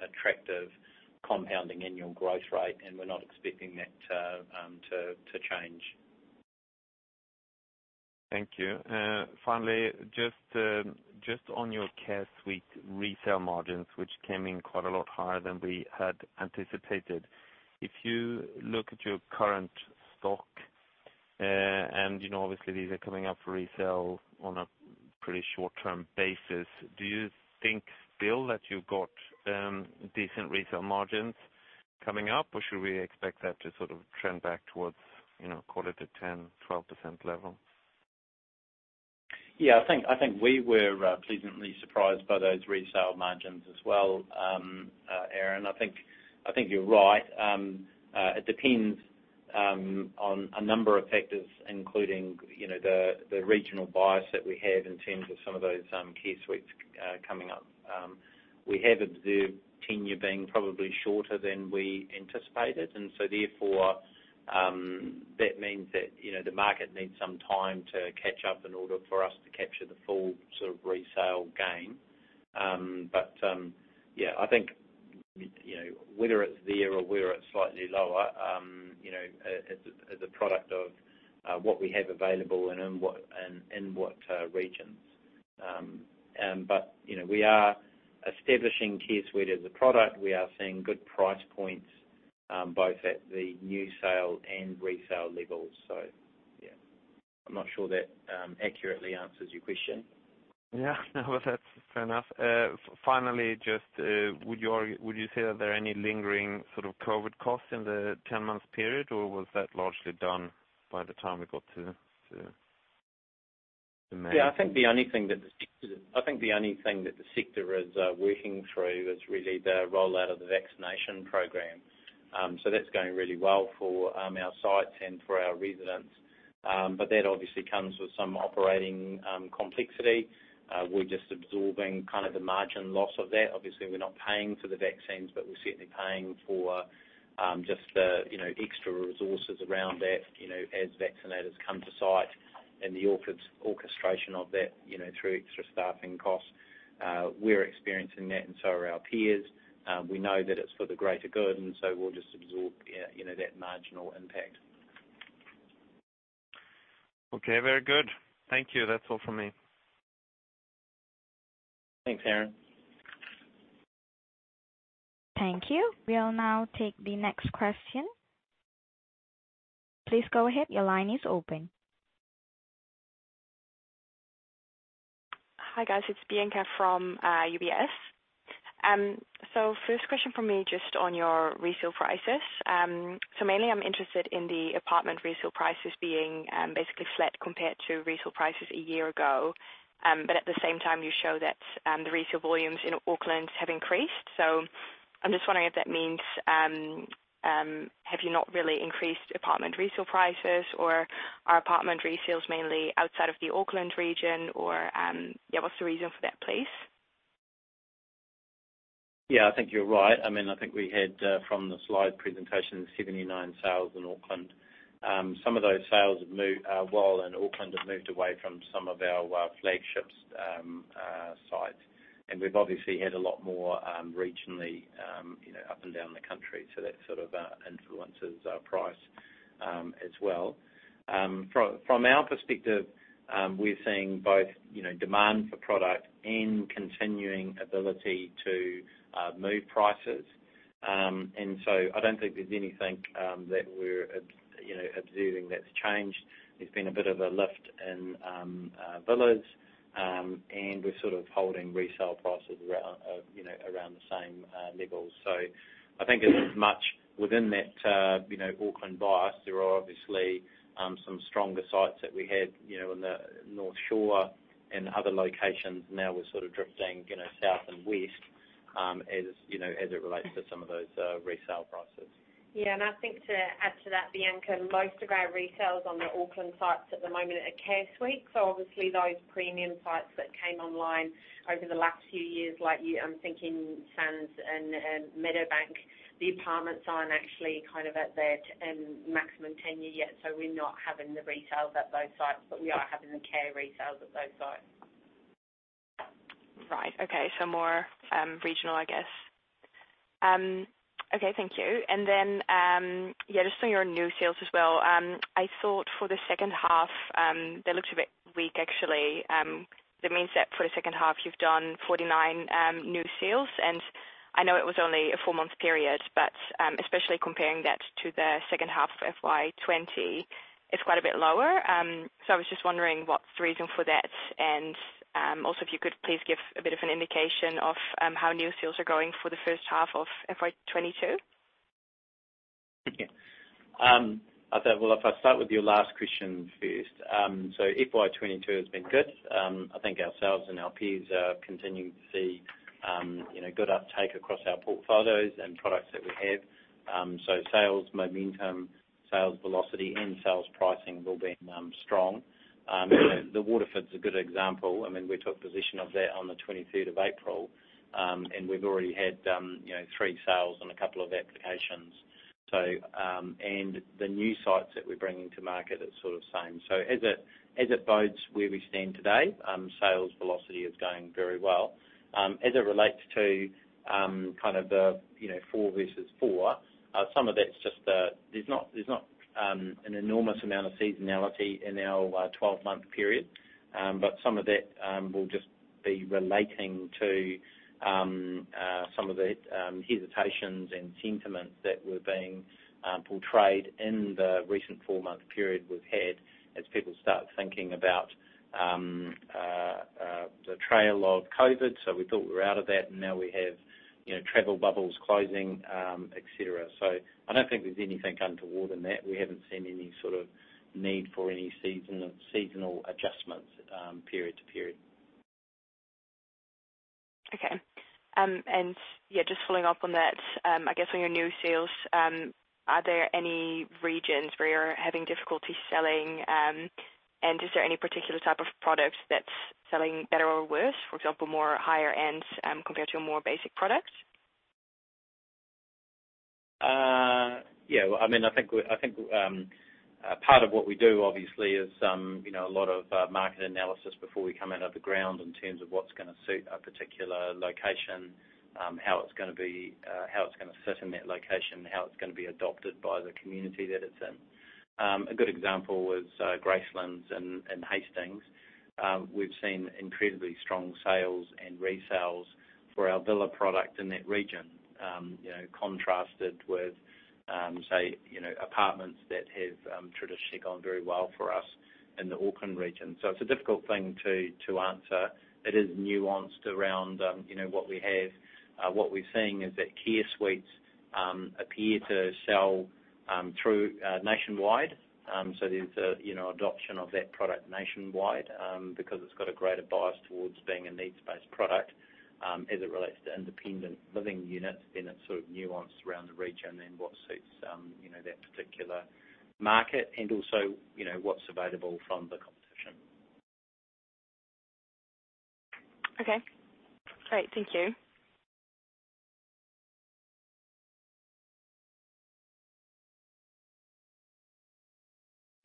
attractive compounding annual growth rate, we're not expecting that to change. Thank you. Finally, just on your Care Suites resale margins, which came in quite a lot higher than we had anticipated. Obviously these are coming up for resale on a pretty short-term basis. Do you think still that you've got decent resale margins coming up or should we expect that to sort of trend back towards quarter to 10%-12% level? I think we were pleasantly surprised by those resale margins as well, Aaron Ibbotson. I think you're right. It depends on a number of factors, including the regional bias that we have in terms of some of those Care Suites coming up. We have observed tenure being probably shorter than we anticipated, and so therefore, that means that the market needs some time to catch up in order for us to capture the full sort of resale gain. I think whether it's there or whether it's slightly lower, as a product of what we have available and in what regions. We are establishing Care Suite as a product. We are seeing good price points, both at the new sale and resale level. I'm not sure that accurately answers your question. Yeah. No, that's fair enough. Finally, would you say are there any lingering sort of COVID costs in the 10-month period, or was that largely done by the time we got to May? I think the only thing that the sector is working through is really the rollout of the vaccination program. That's going really well for our sites and for our residents. That obviously comes with some operating complexity. We're just absorbing kind of the margin loss of that. Obviously, we're not paying for the vaccines, but we're certainly paying for just the extra resources around that, as vaccinators come to site and the orchestration of that through extra staffing costs. We're experiencing that and so are our peers. We know that it's for the greater good, we'll just absorb that marginal impact. Okay, very good. Thank you. That's all for me. Thanks, Aaron. Thank you. We'll now take the next question. Please go ahead. Your line is open. Hi, guys. It's Bianca from UBS. First question from me, just on your resale prices. Mainly I'm interested in the apartment resale prices being basically flat compared to resale prices a year ago. At the same time, you show that the resale volumes in Auckland have increased. I'm just wondering if that means, have you not really increased apartment resale prices or are apartment resales mainly outside of the Auckland region or, yeah, what's the reason for that, please? I think you're right. I think we had from the slide presentation 79 sales in Auckland. Some of those sales while in Auckland have moved away from some of our flagship sites. We've obviously had a lot more regionally up and down the country, so that sort of influences our price as well. From our perspective, we're seeing both demand for product and continuing ability to move prices. I don't think there's anything that we're observing that's changed. There's been a bit of a lift in villas, and we're sort of holding resale prices around the same levels. I think it is much within that Auckland bias. There are obviously some stronger sites that we had in the North Shore and other locations. Now we're sort of drifting south and west as it relates to some of those resale prices. I think to add to that, Bianca, most of our resales on the Auckland sites at the moment are Care Suites. Obviously those premium sites that came online over the last few years, like I'm thinking Sands and Meadowbank, the apartments aren't actually at their maximum tenure yet, so we're not having the resales at those sites, but we are having the care resales at those sites. Right. Okay. More regional, I guess. Okay. Thank you. Just on your new sales as well, I thought for the second half, they looked a bit weak actually. That means that for the second half you've done 49 new sales, and I know it was only a four-month period, especially comparing that to the second half of FY 2020, it's quite a bit lower. I was just wondering what's the reason for that and also if you could please give a bit of an indication of how new sales are going for the first half of FY 2022. Okay. I think if I start with your last question first. FY 2022 has been good. I think our sales and LPs are continuing to see good uptake across our portfolios and products that we have. Sales momentum, sales velocity and sales pricing have all been strong. The Waterford's a good example. I mean, we took position of that on the 23rd of April, and we've already had three sales and a couple of applications. The new sites that we're bringing to market, it's sort of same. As it bodes where we stand today, sales velocity is going very well. As it relates to the four versus four, some of that's just that there's not an enormous amount of seasonality in our 12-month period. Some of that will just be relating to some of the hesitations and sentiments that were being portrayed in the recent four-month period we've had as people start thinking about the trail of COVID. We thought we were out of that, and now we have travel bubbles closing, et cetera. I don't think there's anything untoward in that. We haven't seen any sort of need for any seasonal adjustments period to period. Okay. Just following up on that, I guess, on your new sales, are there any regions where you're having difficulty selling? Is there any particular type of product that's selling better or worse? For example, more higher end compared to a more basic product? Yeah. I think part of what we do obviously is a lot of market analysis before we come out of the ground in terms of what's going to suit a particular location, how it's going to sit in that location, and how it's going to be adopted by the community that it's in. A good example is Gracelands in Hastings. We've seen incredibly strong sales and resales for our villa product in that region. Contrasted with, say, apartments that have traditionally gone very well for us in the Auckland region. It's a difficult thing to answer. It is nuanced around what we have. What we're seeing is that Care Suites appear to sell through nationwide. There's an adoption of that product nationwide, because it's got a greater bias towards being a needs-based product. As it relates to independent living units, it's sort of nuanced around the region and what suits that particular market and also what's available from the competition. Okay. Great. Thank you.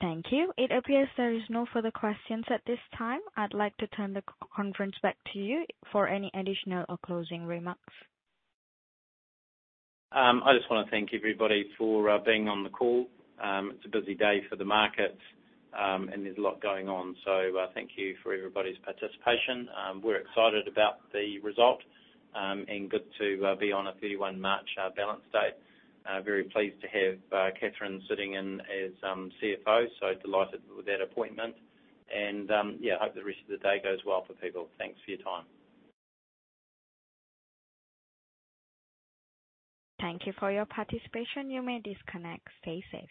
Thank you. It appears there is no further questions at this time. I'd like to turn the conference back to you for any additional or closing remarks. I just want to thank everybody for being on the call. It's a busy day for the market, and there's a lot going on, so thank you for everybody's participation. We're excited about the result, and good to be on a 31 March balance date. Very pleased to have Kathryn sitting in as CFO, so delighted with that appointment. Hope the rest of the day goes well for people. Thanks for your time. Thank you for your participation. You may disconnect. See you soon.